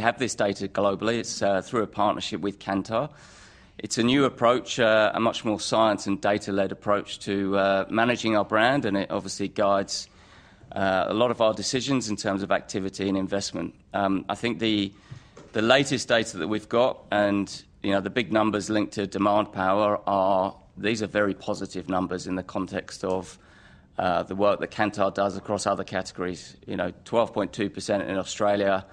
have this data globally. It's through a partnership with Kantar. It's a new approach, a much more science and data-led approach to managing our brand, and it obviously guides a lot of our decisions in terms of activity and investment. I think the latest data that we've got, and you know, the big numbers linked to Demand Power are... These are very positive numbers in the context of the work that Kantar does across other categories. You know, 12.2% in Australia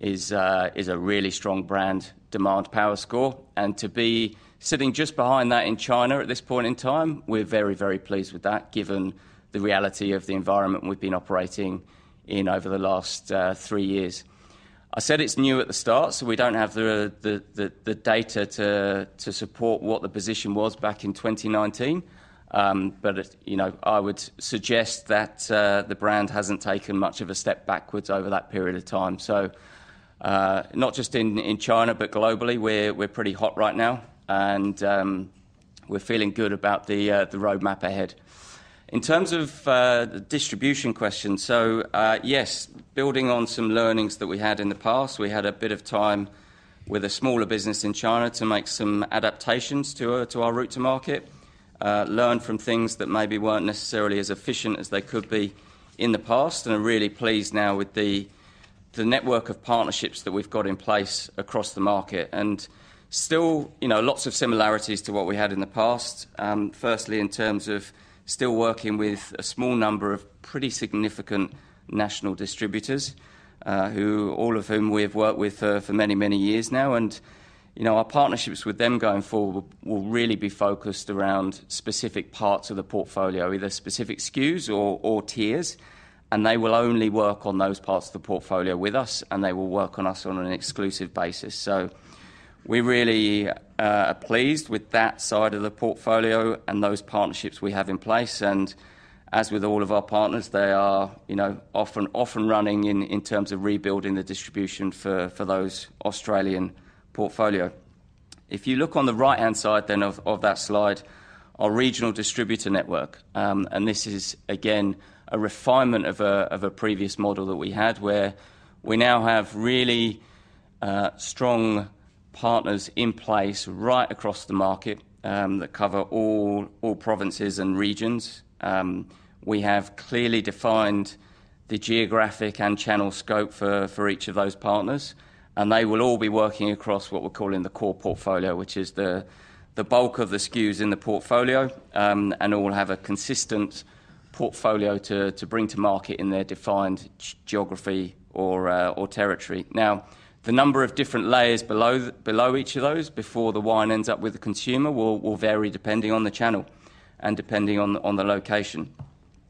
is a really strong brand demand power score, and to be sitting just behind that in China at this point in time, we're very, very pleased with that, given the reality of the environment we've been operating in over the last three years. I said it's new at the start, so we don't have the data to support what the position was back in 2019. But, you know, I would suggest that the brand hasn't taken much of a step backwards over that period of time. So, not just in China, but globally, we're pretty hot right now, and we're feeling good about the roadmap ahead. In terms of the distribution question, so yes, building on some learnings that we had in the past, we had a bit of time with a smaller business in China to make some adaptations to our route to market, learn from things that maybe weren't necessarily as efficient as they could be in the past, and are really pleased now with the network of partnerships that we've got in place across the market. Still, you know, lots of similarities to what we had in the past. Firstly, in terms of still working with a small number of pretty significant national distributors, who all of whom we've worked with for many, many years now. You know, our partnerships with them going forward will really be focused around specific parts of the portfolio, either specific SKUs or tiers, and they will only work on those parts of the portfolio with us, and they will work on us on an exclusive basis. So we really are pleased with that side of the portfolio and those partnerships we have in place, and as with all of our partners, they are, you know, often running in terms of rebuilding the distribution for those Australian portfolio. If you look on the right-hand side of that slide, our regional distributor network, and this is, again, a refinement of a previous model that we had, where we now have really strong partners in place right across the market, that cover all provinces and regions. We have clearly defined the geographic and channel scope for each of those partners, and they will all be working across what we're calling the core portfolio, which is the bulk of the SKUs in the portfolio, and all have a consistent portfolio to bring to market in their defined geography or territory. Now, the number of different layers below each of those before the wine ends up with the consumer will vary depending on the channel and depending on the location.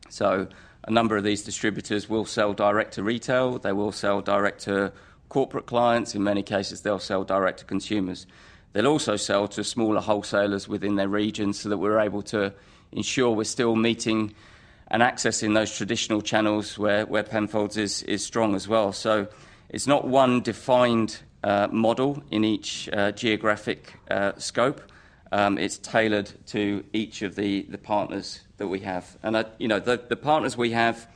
So a number of these distributors will sell direct to retail. They will sell direct to corporate clients. In many cases, they'll sell direct to consumers. They'll also sell to smaller wholesalers within their region so that we're able to ensure we're still meeting and accessing those traditional channels where Penfolds is strong as well. So it's not one defined model in each geographic scope. It's tailored to each of the partners that we have. And at, you know, the partners we have,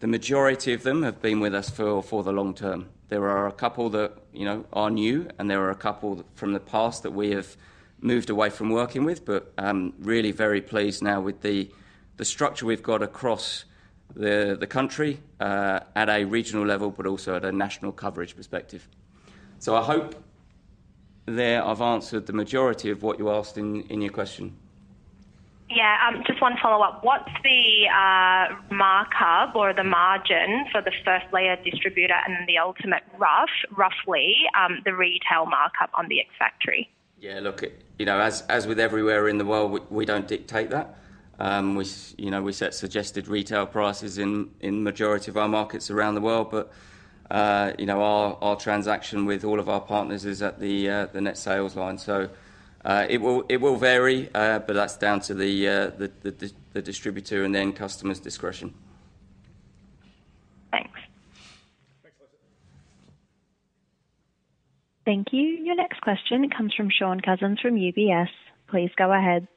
the majority of them have been with us for the long term. There are a couple that, you know, are new, and there are a couple from the past that we have moved away from working with, but really very pleased now with the structure we've got across the country at a regional level, but also at a national coverage perspective. So I hope there I've answered the majority of what you asked in your question. Yeah, just one follow-up. What's the markup or the margin for the first layer distributor and then the ultimate, roughly, the retail markup on the ex-factory? Yeah, look, you know, as with everywhere in the world, we don't dictate that. We, you know, we set suggested retail prices in majority of our markets around the world, but you know, our transaction with all of our partners is at the net sales line. So, it will vary, but that's down to the distributor and then customer's discretion. Thanks. Thanks, Lisa. Thank you. Your next question comes from Shaun Cousins from UBS. Please go ahead.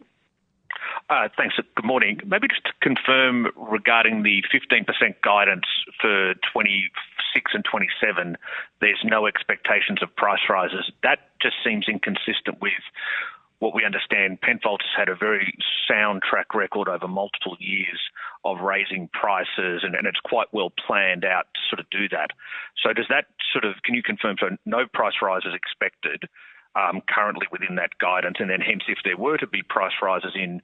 Thanks. Good morning. Maybe just to confirm regarding the 15% guidance for 2026 and 2027, there's no expectations of price rises. That just seems inconsistent with what we understand. Penfolds has had a very sound track record over multiple years of raising prices, and it's quite well planned out to sort of do that. So does that sort of... Can you confirm, so no price rises expected currently within that guidance, and then hence, if there were to be price rises in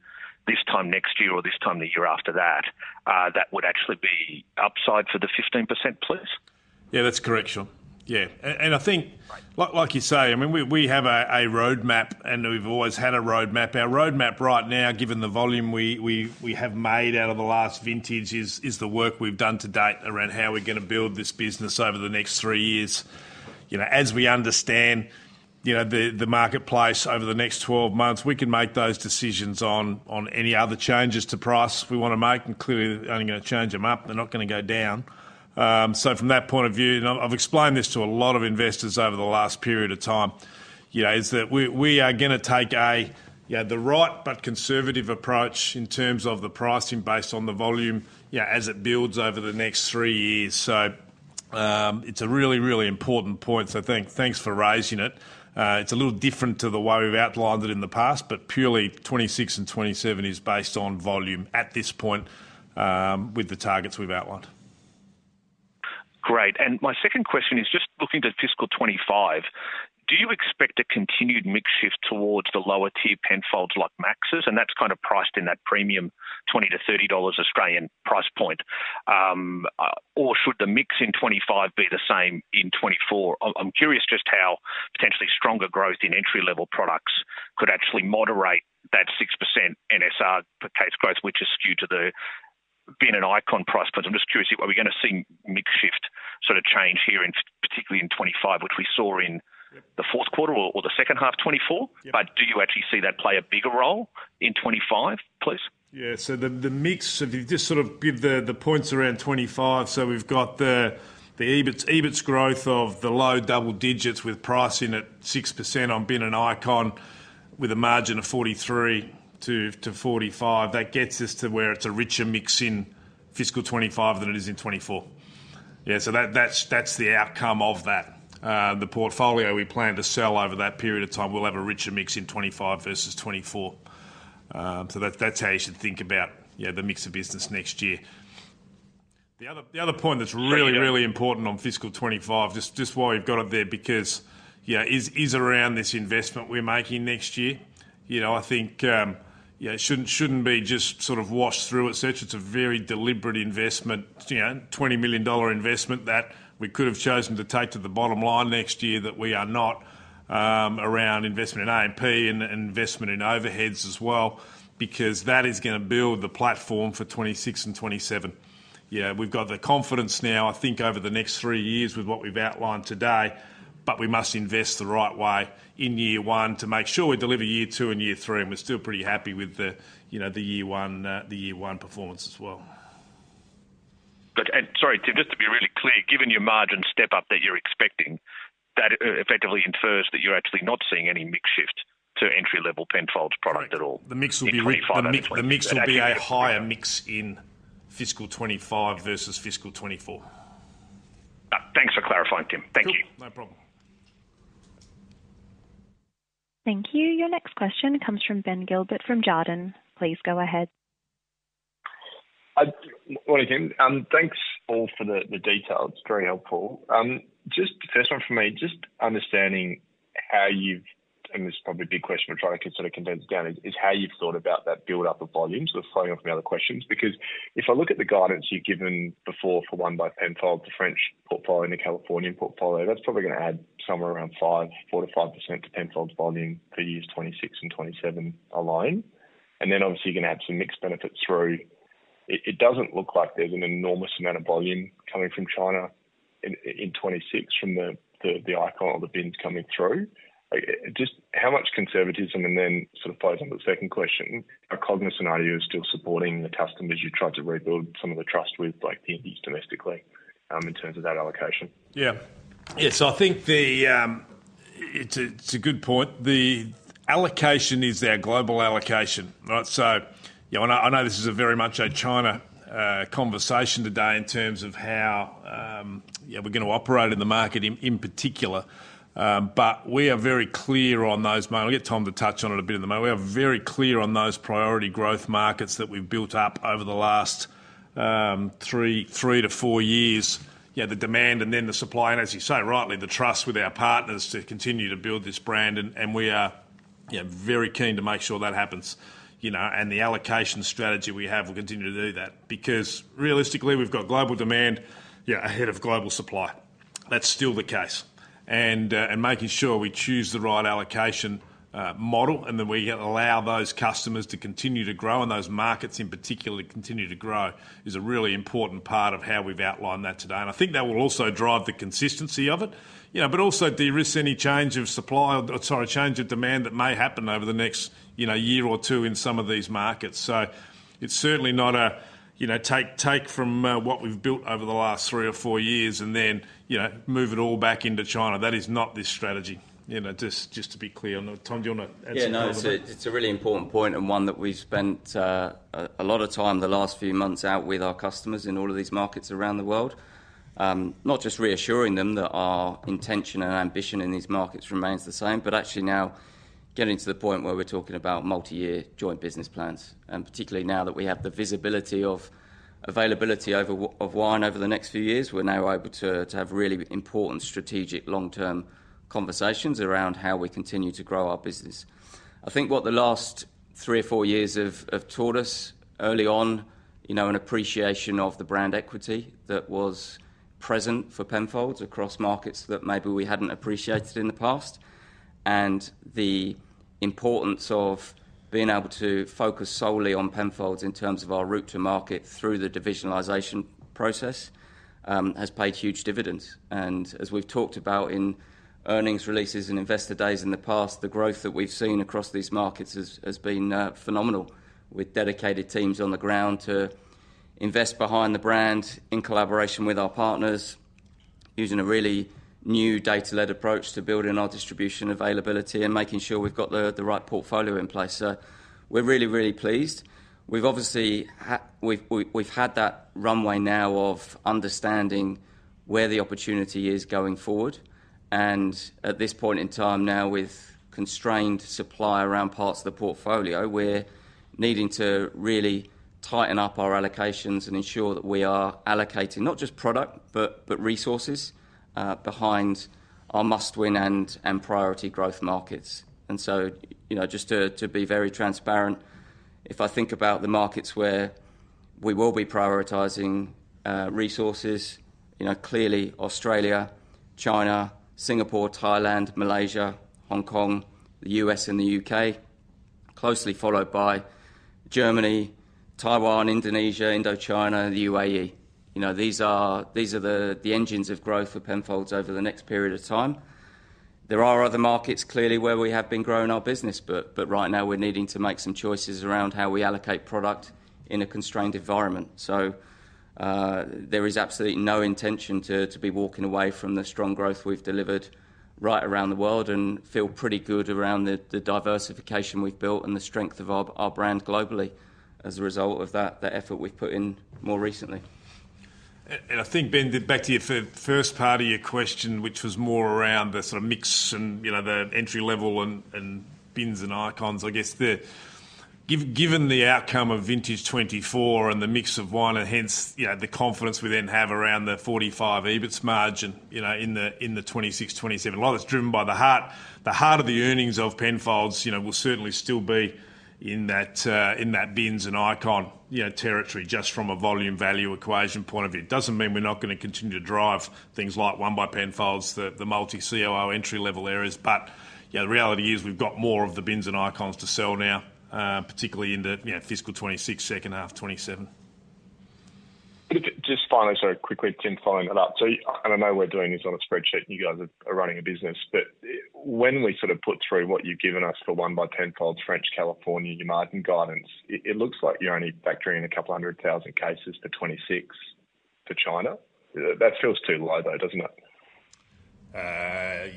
this time next year or this time the year after that, that would actually be upside for the 15%, please? Yeah, that's correct, Shaun. Yeah, and I think, like you say, I mean, we have a roadmap, and we've always had a roadmap. Our roadmap right now, given the volume we have made out of the last vintage, is the work we've done to date around how we're gonna build this business over the next 3 years. You know, as we understand, you know, the marketplace over the next 12 months, we can make those decisions on any other changes to price we wanna make, and clearly, they're only gonna change them up, they're not gonna go down. So from that point of view, and I've explained this to a lot of investors over the last period of time, you know, is that we, we are gonna take a, you know, the right but conservative approach in terms of the pricing based on the volume, yeah, as it builds over the next three years. So, it's a really, really important point, so thanks for raising it. It's a little different to the way we've outlined it in the past, but purely 2026 and 2027 is based on volume at this point, with the targets we've outlined. Great. And my second question is just looking at fiscal 2025, do you expect a continued mix shift towards the lower tier Penfolds like Max's? And that's kind of priced in that premium 20-30 dollars Australian price point. Or should the mix in 2025 be the same in 2024? I'm, I'm curious just how potentially stronger growth in entry-level products could actually moderate that 6% NSR per case growth, which is skewed to the Bin and Icon price point. I'm just curious, are we gonna see mix shift sort of change here in, particularly in 2025, which we saw in- Yep... the fourth quarter or the second half of 2024? Yeah. Do you actually see that play a bigger role in 2025, please? Yeah, so the mix, if you just sort of give the points around 25, so we've got the EBIT growth of the low double digits with pricing at 6% on Bin and Icon with a margin of 43%-45%. That gets us to where it's a richer mix in fiscal 2025 than it is in 2024. Yeah, so that's the outcome of that. The portfolio we plan to sell over that period of time, we'll have a richer mix in 2025 versus 2024. So that's how you should think about, yeah, the mix of business next year. The other point that's really important on fiscal 2025, just while we've got it there, because, yeah, is around this investment we're making next year. You know, I think, yeah, it shouldn't be just sort of washed through et cetera. It's a very deliberate investment, you know, 20 million dollar investment that we could have chosen to take to the bottom line next year, that we are not around investment in A&P and investment in overheads as well, because that is gonna build the platform for 2026 and 2027. Yeah, we've got the confidence now, I think, over the next three years with what we've outlined today, but we must invest the right way in year one to make sure we deliver year two and year three, and we're still pretty happy with the, you know, the year one, the year one performance as well. Sorry, Tim, just to be really clear, given your margin step up that you're expecting, that, effectively infers that you're actually not seeing any mix shift to entry-level Penfolds product at all? The mix will be- In 25 and 20- The mix, the mix will be a higher mix in fiscal 2025 versus fiscal 2024. Thanks for clarifying, Tim. Thank you. No problem. Thank you. Your next question comes from Ben Gilbert, from Jarden. Please go ahead. Morning, Tim. Thanks all for the details. It's very helpful. Just first one for me, just understanding how you've—and this is probably a big question, but try to sort of condense it down, is how you've thought about that buildup of volumes. So following up on the other questions, because if I look at the guidance you've given before for One by Penfolds, the French portfolio and the California portfolio, that's probably gonna add somewhere around 4%-5% to Penfolds' volume for years 2026 and 2027 alone. And then obviously, you're gonna add some mixed benefit through. It doesn't look like there's an enormous amount of volume coming from China in 2026 from the Icon or the Bins coming through. Just how much conservatism and then sort of follows on the second question, are Cognos and IU still supporting the customers you tried to rebuild some of the trust with, like PPs domestically, in terms of that allocation? Yeah. Yeah, so I think it's a good point. The allocation is our global allocation, right? So, yeah, and I, I know this is very much a China conversation today in terms of how yeah we're gonna operate in the market, in particular, but we are very clear on those. May I get Tom to touch on it a bit in the moment. We are very clear on those priority growth markets that we've built up over the last 3-4 years. Yeah, the demand and then the supply, and as you say, rightly, the trust with our partners to continue to build this brand, and, and we are, yeah, very keen to make sure that happens, you know, and the allocation strategy we have will continue to do that because realistically, we've got global demand, yeah, ahead of global supply. That's still the case. And, and making sure we choose the right allocation model, and then we allow those customers to continue to grow and those markets in particular to continue to grow is a really important part of how we've outlined that today. I think that will also drive the consistency of it, you know, but also de-risk any change of supply or, sorry, change of demand that may happen over the next, you know, year or two in some of these markets. So it's certainly not a, you know, take from what we've built over the last three or four years and then, you know, move it all back into China. That is not this strategy. You know, just to be clear. Tom, do you wanna add to that? Yeah, no, it's a really important point and one that we've spent a lot of time the last few months out with our customers in all of these markets around the world. Not just reassuring them that our intention and ambition in these markets remains the same, but actually now getting to the point where we're talking about multi-year joint business plans, and particularly now that we have the visibility of availability of wine over the next few years, we're now able to have really important strategic long-term conversations around how we continue to grow our business. I think what the last three or four years have taught us early on, you know, an appreciation of the brand equity that was present for Penfolds across markets that maybe we hadn't appreciated in the past. The importance of being able to focus solely on Penfolds in terms of our route to market through the divisionalization process has paid huge dividends. As we've talked about in earnings releases and investor days in the past, the growth that we've seen across these markets has been phenomenal, with dedicated teams on the ground to invest behind the brand in collaboration with our partners, using a really new data-led approach to building our distribution availability and making sure we've got the right portfolio in place. We're really, really pleased. We've obviously had that runway now of understanding where the opportunity is going forward. At this point in time now, with constrained supply around parts of the portfolio, we're needing to really tighten up our allocations and ensure that we are allocating not just product, but resources behind our must-win and priority growth markets. So, you know, just to be very transparent, if I think about the markets where we will be prioritizing resources, you know, clearly Australia, China, Singapore, Thailand, Malaysia, Hong Kong, the U.S., and the U.K., closely followed by Germany, Taiwan, Indonesia, Indochina, and the UAE. You know, these are the engines of growth for Penfolds over the next period of time. There are other markets, clearly, where we have been growing our business, but right now we're needing to make some choices around how we allocate product in a constrained environment. So, there is absolutely no intention to be walking away from the strong growth we've delivered right around the world and feel pretty good around the diversification we've built and the strength of our brand globally as a result of that effort we've put in more recently. And I think, Ben, back to your first part of your question, which was more around the sort of mix and, you know, the entry level and bins and icons. I guess the, given the outcome of vintage 2024 and the mix of wine, and hence, you know, the confidence we then have around the 45 EBITS margin, you know, in the 2026, 2027. A lot of it's driven by the heart. The heart of the earnings of Penfolds, you know, will certainly still be in that bins and icon territory, just from a volume value equation point of view. It doesn't mean we're not gonna continue to drive things like One by Penfolds, the multi-COO entry-level areas, but, you know, the reality is we've got more of the Bins and Icons to sell now, particularly in the, you know, fiscal 2026, second half of 2027. Just finally, sorry, quickly, Tim, following that up. So I know we're doing this on a spreadsheet, and you guys are running a business, but when we sort of put through what you've given us for One by Penfolds, France, California, your margin guidance, it looks like you're only factoring in 200,000 cases for 2026 for China. That feels too low, though, doesn't it?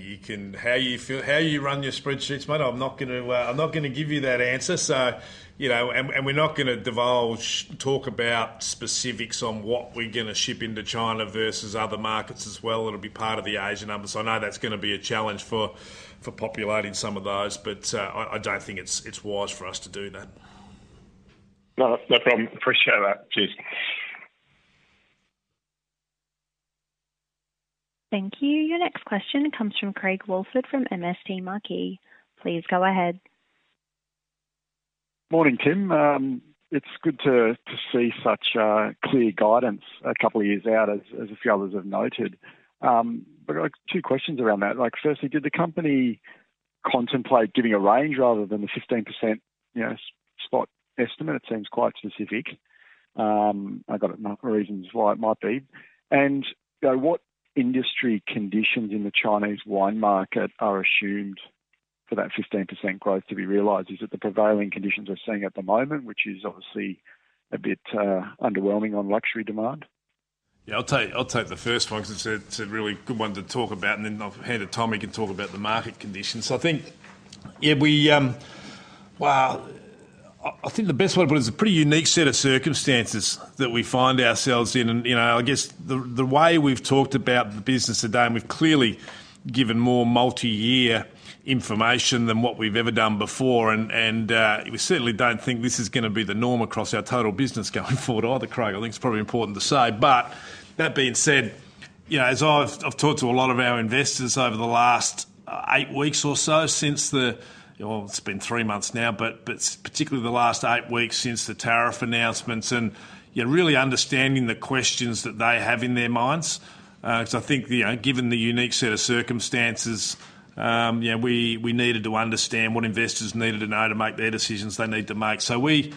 You can how you feel, how you run your spreadsheets, mate. I'm not gonna give you that answer. So, you know, and we're not gonna divulge, talk about specifics on what we're gonna ship into China versus other markets as well. It'll be part of the Asia numbers. I know that's gonna be a challenge for populating some of those, but I don't think it's wise for us to do that. No, no problem. Appreciate that. Cheers. Thank you. Your next question comes from Craig Woolford from MST Marquee. Please go ahead. Morning, Tim. It's good to see such clear guidance a couple of years out, as a few others have noted. Like, two questions around that. Like, firstly, did the company contemplate giving a range rather than a 15%, you know, spot estimate? It seems quite specific. I got reasons why it might be. You know, what industry conditions in the Chinese wine market are assumed for that 15% growth to be realized? Is it the prevailing conditions we're seeing at the moment, which is obviously a bit underwhelming on luxury demand? Yeah, I'll take, I'll take the first one because it's a, it's a really good one to talk about, and then I'll hand to Tommy, who can talk about the market conditions. So I think, yeah, we, well, I, I think the best way to put it is a pretty unique set of circumstances that we find ourselves in. And, you know, I guess the, the way we've talked about the business today, and we've clearly given more multiyear information than what we've ever done before, and, and, we certainly don't think this is gonna be the norm across our total business going forward either, Craig. I think it's probably important to say. But that being said, you know, as I've, I've talked to a lot of our investors over the last, eight weeks or so since the... Well, it's been three months now, but particularly the last eight weeks since the tariff announcements, and, you know, really understanding the questions that they have in their minds. Because I think, you know, given the unique set of circumstances, you know, we needed to understand what investors needed to know to make their decisions they need to make. So we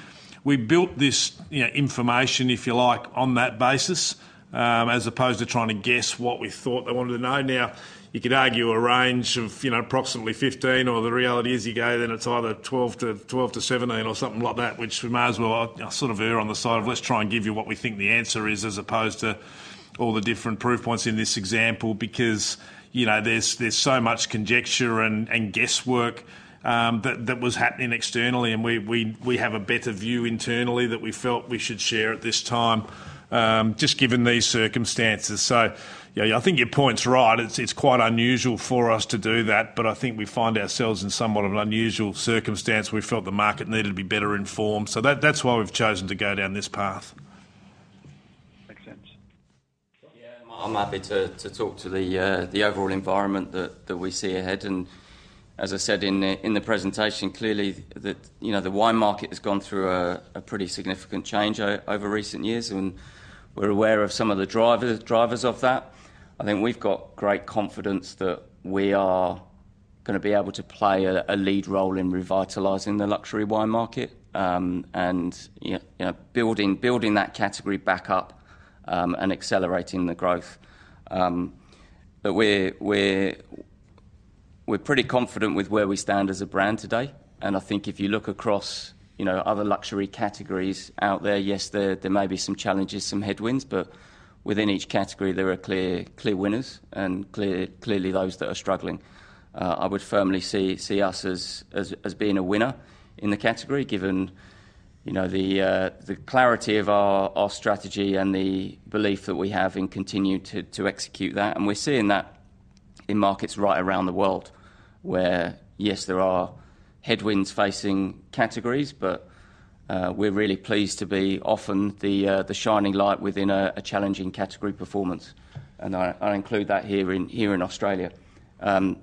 built this, you know, information, if you like, on that basis, as opposed to trying to guess what we thought they wanted to know. Now, you could argue a range of, you know, approximately 15, or the reality is you go then it's either 12 to, 12 to 17 or something like that, which we may as well sort of err on the side of, "Let's try and give you what we think the answer is," as opposed to all the different proof points in this example. Because, you know, there's so much conjecture and guesswork that was happening externally, and we have a better view internally that we felt we should share at this time, just given these circumstances. So yeah, I think your point's right. It's quite unusual for us to do that, but I think we find ourselves in somewhat of an unusual circumstance. We felt the market needed to be better informed. That's why we've chosen to go down this path. Makes sense. Yeah, I'm happy to talk to the overall environment that we see ahead. And as I said in the presentation, clearly, you know, the wine market has gone through a pretty significant change over recent years, and we're aware of some of the drivers of that. I think we've got great confidence that we are gonna be able to play a lead role in revitalizing the luxury wine market, and yeah, you know, building that category back up, and accelerating the growth. But we're pretty confident with where we stand as a brand today, and I think if you look across, you know, other luxury categories out there, yes, there may be some challenges, some headwinds, but within each category, there are clear winners and clearly, those that are struggling. I would firmly see us as being a winner in the category, given, you know, the clarity of our strategy and the belief that we have in continuing to execute that. And we're seeing that in markets right around the world, where, yes, there are headwinds facing categories, but we're really pleased to be often the shining light within a challenging category performance, and I include that here in Australia.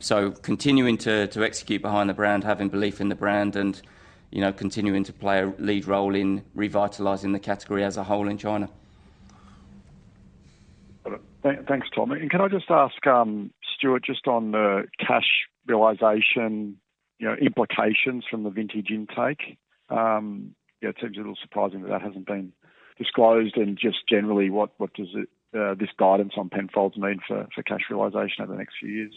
So continuing to execute behind the brand, having belief in the brand and, you know, continuing to play a lead role in revitalizing the category as a whole in China. Got it. Thank, thanks, Tom. Can I just ask, Stuart, just on the cash realization, you know, implications from the vintage intake? Yeah, it seems a little surprising that that hasn't been disclosed. Just generally, what, what does it, this guidance on Penfolds mean for, for cash realization over the next few years?...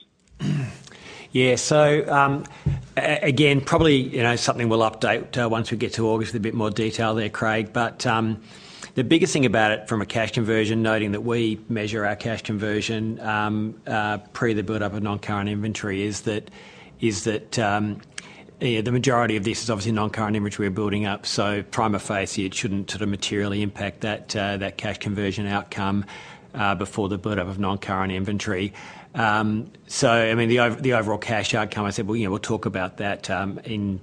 Yeah, so, again, probably, you know, something we'll update once we get to August with a bit more detail there, Craig. But, the biggest thing about it from a cash conversion, noting that we measure our cash conversion, is that, yeah, the majority of this is obviously non-current inventory we're building up, so prima facie, it shouldn't sort of materially impact that cash conversion outcome before the build up of non-current inventory. So, I mean, the overall cash outcome, I said, well, you know, we'll talk about that in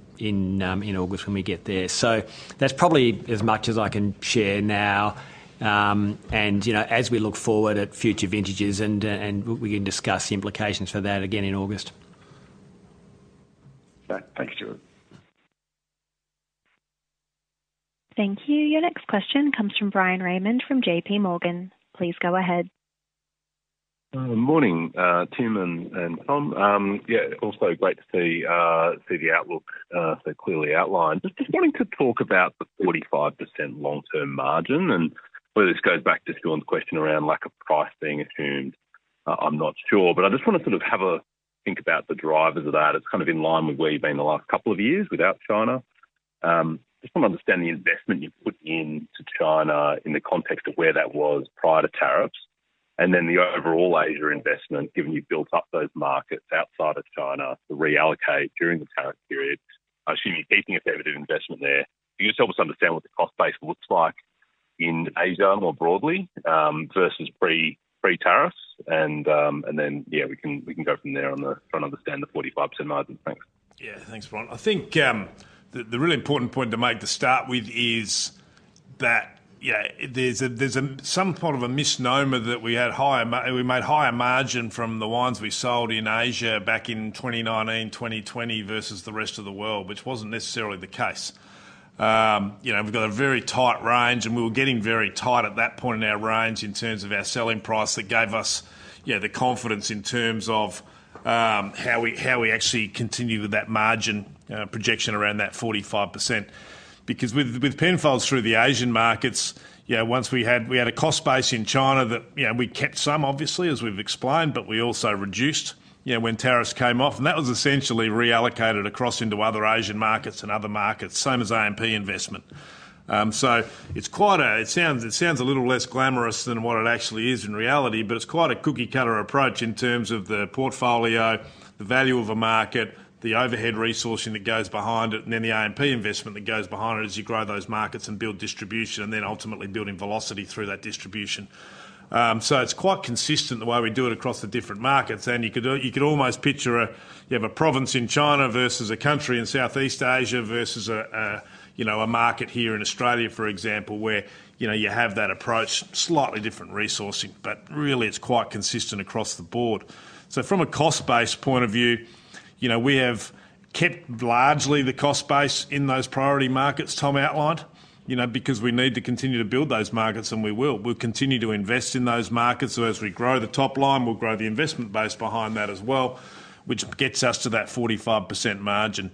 August when we get there. So that's probably as much as I can share now, and, you know, as we look forward at future vintages and we can discuss the implications for that again in August. Thanks, Stuart. Thank you. Your next question comes from Bryan Raymond, from J.P. Morgan. Please go ahead. Morning, Tim and Tom. Yeah, also great to see the outlook so clearly outlined. Just wanting to talk about the 45% long-term margin, and whether this goes back to Shaun's question around lack of price being assumed. I'm not sure. But I just want to sort of have a think about the drivers of that. It's kind of in line with where you've been the last couple of years without China. Just want to understand the investment you've put into China in the context of where that was prior to tariffs, and then the overall Asia investment, given you've built up those markets outside of China, to reallocate during the tariff period. I assume you're keeping a fair bit of investment there. Can you just help us understand what the cost base looks like in Asia, more broadly, versus pre, pre-tariffs? And, and then, yeah, we can, we can go from there on the trying to understand the 45% margin. Thanks. Yeah. Thanks, Bryan. I think, the really important point to make to start with is that, yeah, there's some sort of a misnomer that we had higher mar-- we made higher margin from the wines we sold in Asia back in 2019, 2020, versus the rest of the world, which wasn't necessarily the case. You know, we've got a very tight range, and we were getting very tight at that point in our range in terms of our selling price. That gave us, you know, the confidence in terms of, how we actually continue with that margin, projection around that 45%. Because with Penfolds through the Asian markets, you know, once we had—we had a cost base in China that, you know, we kept some, obviously, as we've explained, but we also reduced, you know, when tariffs came off, and that was essentially reallocated across into other Asian markets and other markets, same as A&P investment. So it's quite a. It sounds a little less glamorous than what it actually is in reality, but it's quite a cookie-cutter approach in terms of the portfolio, the value of a market, the overhead resourcing that goes behind it, and then the A&P investment that goes behind it as you grow those markets and build distribution, and then ultimately building velocity through that distribution. So it's quite consistent the way we do it across the different markets, and you could, you could almost picture a, you have a province in China versus a country in Southeast Asia versus a, a, you know, a market here in Australia, for example, where, you know, you have that approach, slightly different resourcing, but really it's quite consistent across the board. So from a cost base point of view, you know, we have kept largely the cost base in those priority markets Tom outlined, you know, because we need to continue to build those markets, and we will. We'll continue to invest in those markets, so as we grow the top line, we'll grow the investment base behind that as well, which gets us to that 45% margin.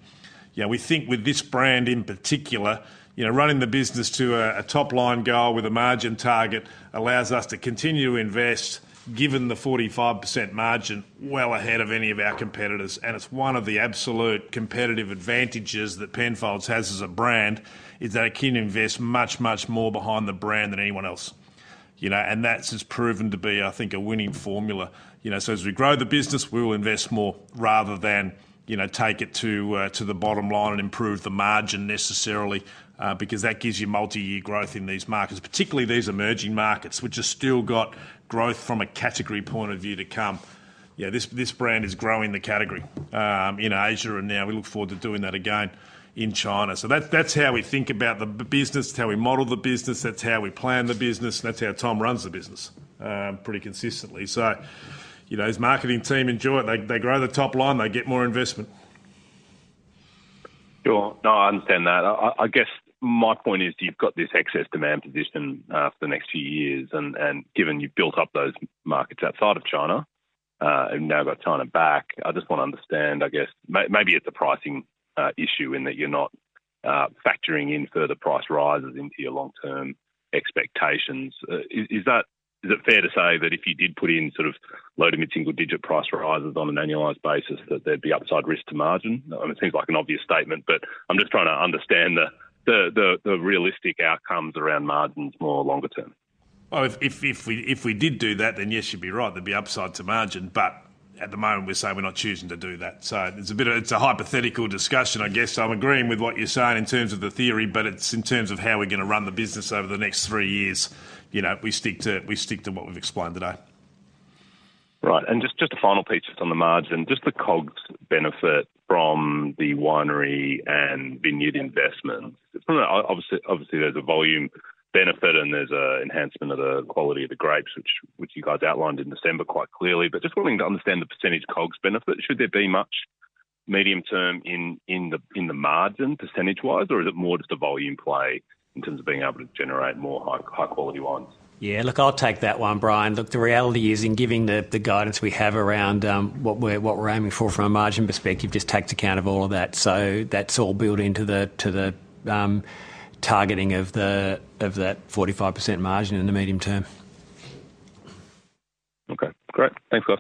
You know, we think with this brand, in particular, you know, running the business to a top-line goal with a margin target allows us to continue to invest, given the 45% margin, well ahead of any of our competitors. And it's one of the absolute competitive advantages that Penfolds has as a brand, is that it can invest much, much more behind the brand than anyone else, you know, and that's just proven to be, I think, a winning formula. You know, so as we grow the business, we will invest more rather than, you know, take it to the bottom line and improve the margin necessarily, because that gives you multi-year growth in these markets, particularly these emerging markets, which have still got growth from a category point of view to come. Yeah, this brand is growing the category in Asia, and now we look forward to doing that again in China. So that's how we think about the business, it's how we model the business, that's how we plan the business, and that's how Tom runs the business pretty consistently. So, you know, his marketing team enjoy it. They grow the top line, they get more investment. Sure. No, I understand that. I guess my point is, you've got this excess demand position for the next few years, and given you've built up those markets outside of China, and now got China back, I just want to understand, I guess, maybe it's a pricing issue in that you're not factoring in further price rises into your long-term expectations. Is that fair to say that if you did put in sort of low to mid-single digit price rises on an annualized basis, that there'd be upside risk to margin? It seems like an obvious statement, but I'm just trying to understand the realistic outcomes around margins more longer term. Well, if we did do that, then, yes, you'd be right, there'd be upside to margin, but at the moment, we're saying we're not choosing to do that. So there's a bit of... It's a hypothetical discussion, I guess. I'm agreeing with what you're saying in terms of the theory, but it's in terms of how we're going to run the business over the next three years. You know, we stick to what we've explained today. Right. And just a final piece, just on the margin, just the COGS benefit from the winery and vineyard investment. Obviously, there's a volume benefit, and there's an enhancement of the quality of the grapes, which you guys outlined in December quite clearly, but just wanting to understand the percentage COGS benefit. Should there be much medium-term in the margin, percentage-wise, or is it more just a volume play in terms of being able to generate more high-quality wines? Yeah, look, I'll take that one, Bryan. Look, the reality is, in giving the guidance we have around what we're aiming for from a margin perspective, just takes account of all of that. So that's all built into the targeting of that 45% margin in the medium term.... Okay, great. Thanks, guys.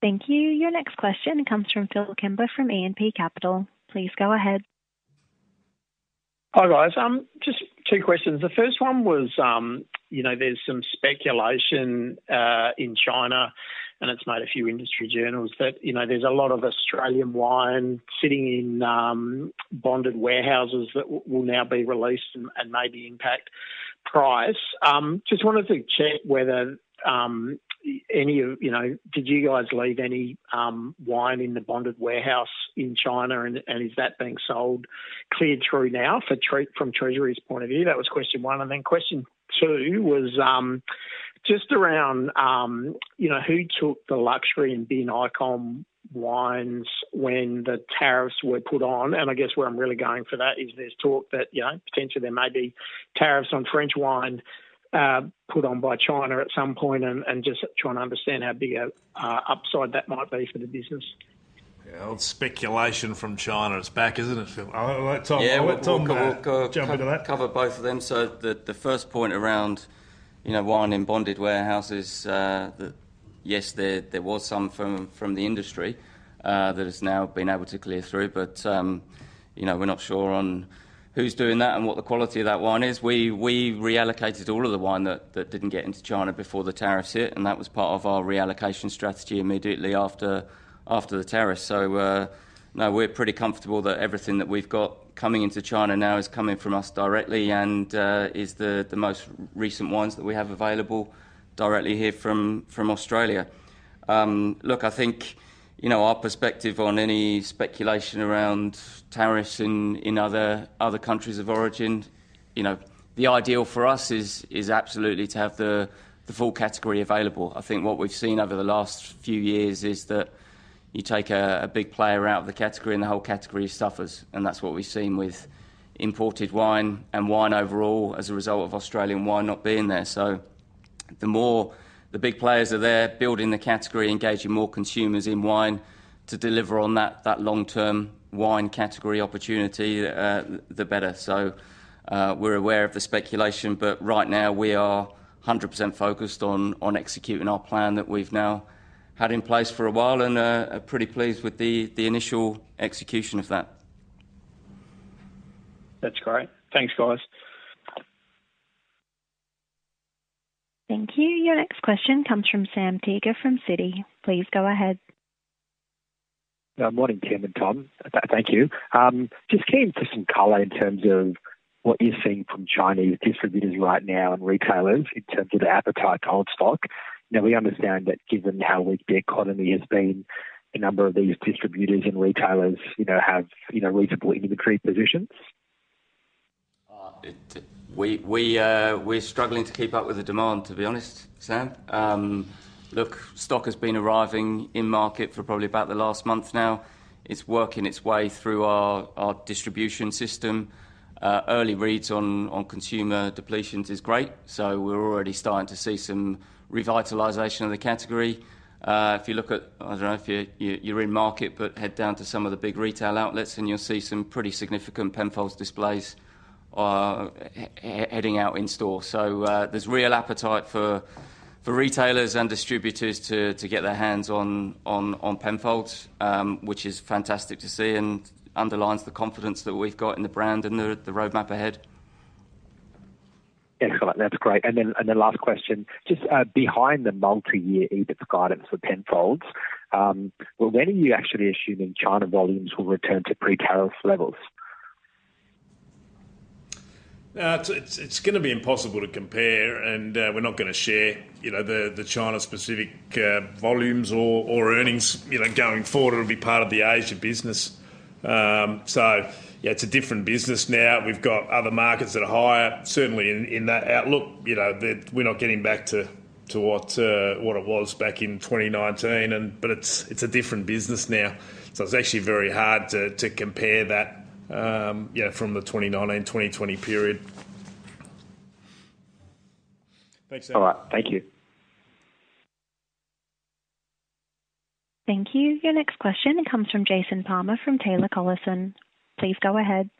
Thank you. Your next question comes from Phil Kimber from E&P Capital. Please go ahead. Hi, guys. Just two questions. The first one was, you know, there's some speculation in China, and it's made a few industry journals that, you know, there's a lot of Australian wine sitting in bonded warehouses that will now be released and maybe impact price. Just wanted to check whether any of, you know, did you guys leave any wine in the bonded warehouse in China, and is that being sold, cleared through now from Treasury's point of view? That was question one, and then question two was just around, you know, who took the luxury in Bin and Icon wines when the tariffs were put on? I guess where I'm really going for that is there's talk that, you know, potentially there may be tariffs on French wine put on by China at some point and just trying to understand how big a upside that might be for the business. Yeah, old speculation from China. It's back, isn't it, Phil? I'll let Tom- Yeah. I'll let Tom jump into that. Cover both of them. So the first point around, you know, wine in bonded warehouses, that yes, there was some from the industry, that has now been able to clear through, but, you know, we're not sure on who's doing that and what the quality of that wine is. We reallocated all of the wine that didn't get into China before the tariffs hit, and that was part of our reallocation strategy immediately after the tariffs. So, no, we're pretty comfortable that everything that we've got coming into China now is coming from us directly and is the most recent wines that we have available directly here from Australia. Look, I think, you know, our perspective on any speculation around tariffs in other countries of origin, you know, the ideal for us is absolutely to have the full category available. I think what we've seen over the last few years is that you take a big player out of the category, and the whole category suffers, and that's what we've seen with imported wine and wine overall, as a result of Australian wine not being there. So the more the big players are there building the category, engaging more consumers in wine to deliver on that long-term wine category opportunity, the better. So, we're aware of the speculation, but right now we are 100% focused on executing our plan that we've now had in place for a while and are pretty pleased with the initial execution of that. That's great. Thanks, guys. Thank you. Your next question comes from Sam Teeger from Citi. Please go ahead. Morning, Tim and Tom. Thank you. Just keen for some color in terms of what you're seeing from Chinese distributors right now and retailers in terms of their appetite to hold stock. Now, we understand that given how weak the economy has been, a number of these distributors and retailers, you know, have, you know, reasonable inventory positions. We’re struggling to keep up with the demand, to be honest, Sam. Look, stock has been arriving in market for probably about the last month now. It’s working its way through our distribution system. Early reads on consumer depletions is great, so we’re already starting to see some revitalization of the category. If you look at—I don’t know if you’re in market, but head down to some of the big retail outlets, and you’ll see some pretty significant Penfolds displays heading out in store. So, there’s real appetite for retailers and distributors to get their hands on Penfolds, which is fantastic to see and underlines the confidence that we’ve got in the brand and the roadmap ahead. Excellent. That's great. And then last question: just behind the multi-year EBIT guidance for Penfolds, well, when are you actually assuming China volumes will return to pre-tariff levels? It's gonna be impossible to compare, and we're not gonna share, you know, the China-specific volumes or earnings. You know, going forward, it'll be part of the Asia business. So yeah, it's a different business now. We've got other markets that are higher, certainly in that outlook, you know. We're not getting back to what it was back in 2019 and but it's a different business now. So it's actually very hard to compare that, yeah, from the 2019, 2020 period. Thanks, Sam. All right. Thank you. Thank you. Your next question comes from Jason Palmer, from Taylor Collison. Please go ahead.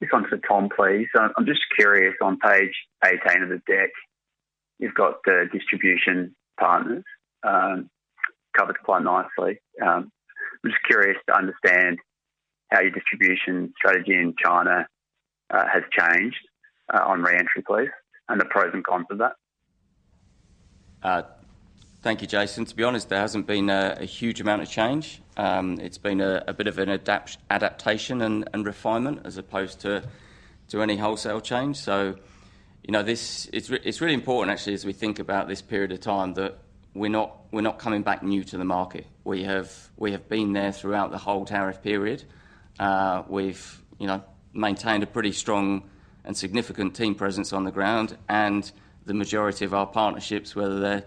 This one's for Tom, please. I'm just curious, on page 18 of the deck, you've got the distribution partners covered quite nicely. I'm just curious to understand how your distribution strategy in China has changed on re-entry, please, and the pros and cons of that. Thank you, Jason. To be honest, there hasn't been a huge amount of change. It's been a bit of an adaptation and refinement as opposed to any wholesale change. So, you know, it's really important actually, as we think about this period of time, that we're not coming back new to the market. We have been there throughout the whole tariff period. We've, you know, maintained a pretty strong and significant team presence on the ground and the majority of our partnerships, whether they're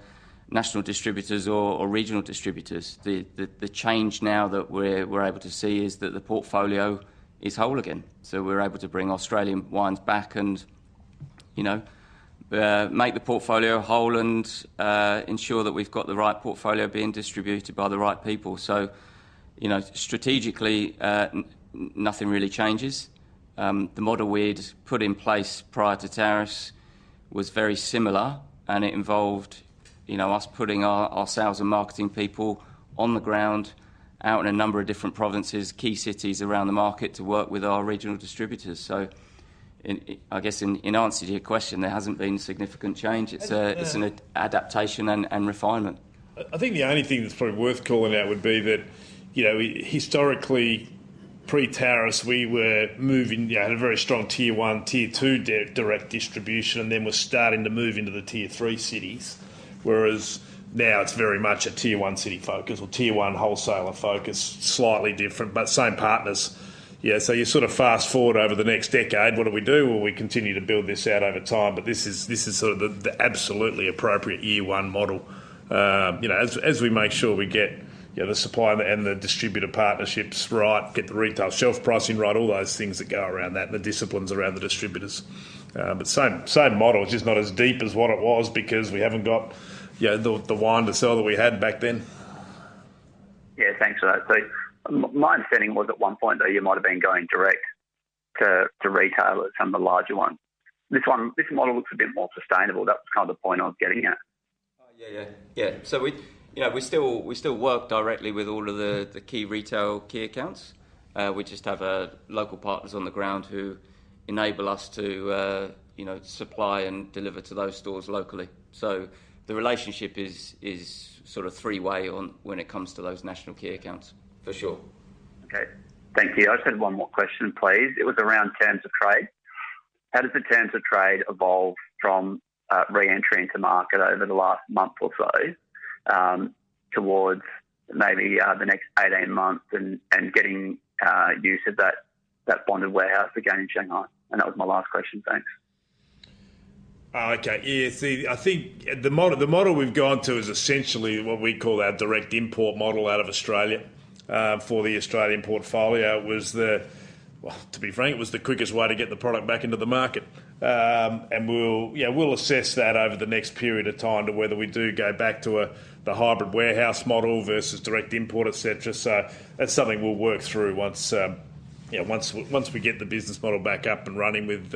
national distributors or regional distributors. The change now that we're able to see is that the portfolio is whole again. So we're able to bring Australian wines back and-... You know, make the portfolio whole and ensure that we've got the right portfolio being distributed by the right people. So, you know, strategically, nothing really changes. The model we'd put in place prior to tariffs was very similar, and it involved, you know, us putting our sales and marketing people on the ground, out in a number of different provinces, key cities around the market to work with our regional distributors. So, I guess, in answer to your question, there hasn't been significant change. And, uh- It's an adaptation and refinement. I think the only thing that's probably worth calling out would be that, you know, historically, pre-tariffs, we were moving, you had a very strong tier one, tier two direct distribution, and then we're starting to move into the tier three cities, whereas now it's very much a tier one city focus or tier one wholesaler focus, slightly different, but same partners. Yeah, so you sort of fast forward over the next decade, what do we do? Well, we continue to build this out over time, but this is, this is sort of the, the absolutely appropriate year one model. You know, as, as we make sure we get, you know, the supplier and the distributor partnerships right, get the retail shelf pricing right, all those things that go around that, the disciplines around the distributors. But same, same model, just not as deep as what it was because we haven't got, you know, the wine to sell that we had back then. Yeah, thanks for that. So my understanding was at one point, though, you might have been going direct to, to retailers, some of the larger ones. This model looks a bit more sustainable. That's kind of the point I was getting at. Oh, yeah, yeah. Yeah, so we, you know, we still, we still work directly with all of the, the key retail key accounts. We just have local partners on the ground who enable us to, you know, supply and deliver to those stores locally. So the relationship is, is sort of three-way on when it comes to those national key accounts, for sure. Okay, thank you. I just had one more question, please. It was around terms of trade. How does the terms of trade evolve from re-entry into market over the last month or so towards maybe the next 18 months and getting use of that bonded warehouse again in Shanghai? And that was my last question. Thanks. Okay. Yeah, see, I think the model, the model we've gone to is essentially what we call our direct import model out of Australia, for the Australian portfolio. It was. Well, to be frank, it was the quickest way to get the product back into the market. And we'll, you know, we'll assess that over the next period of time to whether we do go back to a, the hybrid warehouse model versus direct import, et cetera. So that's something we'll work through once, you know, once we get the business model back up and running with,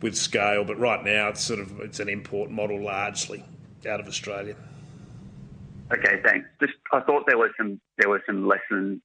with scale, but right now, it's sort of, it's an import model, largely out of Australia. Okay, thanks. Just, I thought there was some, there was some lessening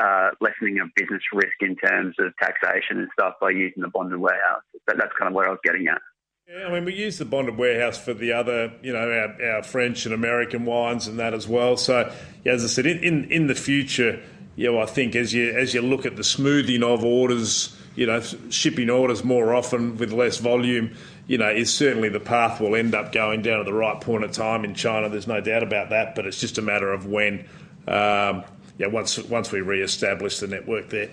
of business risk in terms of taxation and stuff by using the bonded warehouse. So that's kind of where I was getting at. Yeah, I mean, we use the bonded warehouse for the other, you know, our French and American wines and that as well. So as I said, in the future, you know, I think as you look at the smoothing of orders, you know, shipping orders more often with less volume, you know, is certainly the path we'll end up going down at the right point of time in China. There's no doubt about that, but it's just a matter of when, yeah, once we reestablish the network there.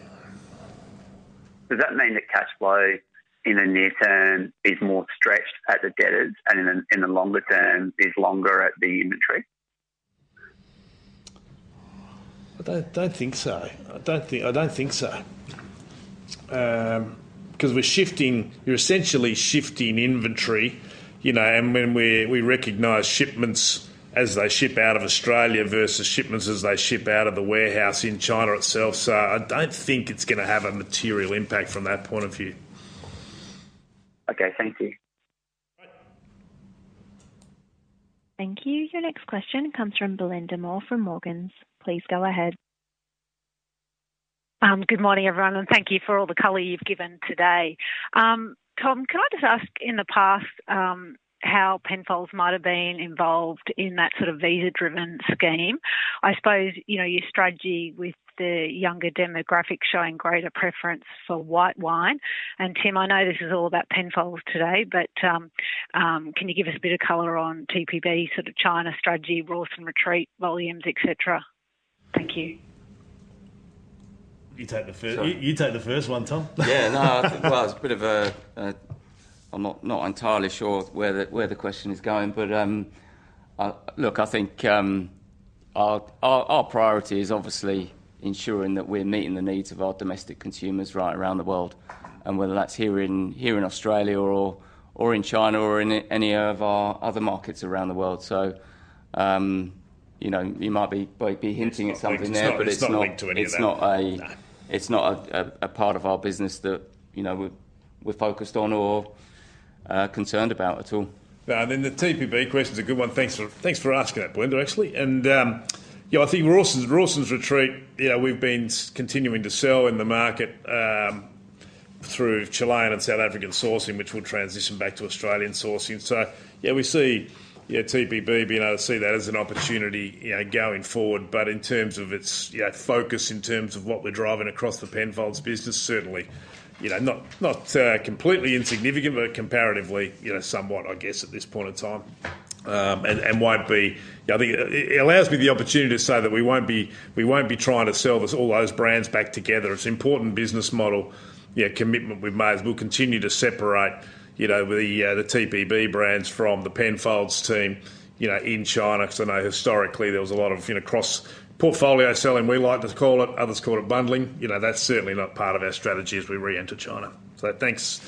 Does that mean that cash flow in the near term is more stretched as a debtors and in the longer term, is longer at the inventory? I don't think so. I don't think so. Because we're essentially shifting inventory, you know, and when we recognize shipments as they ship out of Australia versus shipments as they ship out of the warehouse in China itself. So I don't think it's gonna have a material impact from that point of view. Okay, thank you. Great. Thank you. Your next question comes from Belinda Moore from Morgans. Please go ahead. Good morning, everyone, and thank you for all the color you've given today. Tom, can I just ask, in the past, how Penfolds might have been involved in that sort of visa-driven scheme? I suppose, you know, your strategy with the younger demographic showing greater preference for white wine. And Tim, I know this is all about Penfolds today, but, can you give us a bit of color on TPB sort of China strategy, Rawson's Retreat, volumes, et cetera? Thank you. You take the first- Sorry. You take the first one, Tom. Yeah, no, well, it's a bit of a... I'm not entirely sure where the question is going, but, I look, I think, our priority is obviously ensuring that we're meeting the needs of our domestic consumers right around the world, and whether that's here in Australia or in any of our other markets around the world. So, you know, you might be hinting at something there- It's not linked to any of that.... but it's not a part of our business that, you know, we're focused on or concerned about at all. No, and then the TPB question is a good one. Thanks for, thanks for asking that, Belinda, actually. And, you know, I think Rawson, Rawson's Retreat, you know, we've been continuing to sell in the market through Chilean and South African sourcing, which will transition back to Australian sourcing. So yeah, we see, yeah, TPB, being able to see that as an opportunity, you know, going forward. But in terms of its, you know, focus, in terms of what we're driving across the Penfolds business, certainly, you know, not, not completely insignificant, but comparatively, you know, somewhat, I guess, at this point in time. And, and won't be... I think it allows me the opportunity to say that we won't be, we won't be trying to sell us all those brands back together. It's an important business model, yeah, commitment we've made. We'll continue to separate, you know, the TPB brands from the Penfolds team, you know, in China, because I know historically, there was a lot of, you know, cross-portfolio selling, we like to call it, others call it bundling. You know, that's certainly not part of our strategy as we reenter China. So thanks.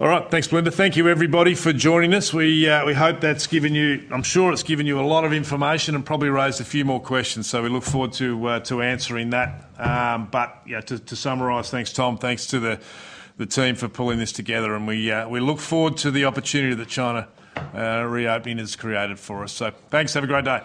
All right. Thanks, Belinda. Thank you, everybody, for joining us. We hope that's given you... I'm sure it's given you a lot of information and probably raised a few more questions, so we look forward to answering that. But yeah, to summarize, thanks, Tom, thanks to the team for pulling this together, and we look forward to the opportunity that China reopening has created for us. So thanks. Have a great day.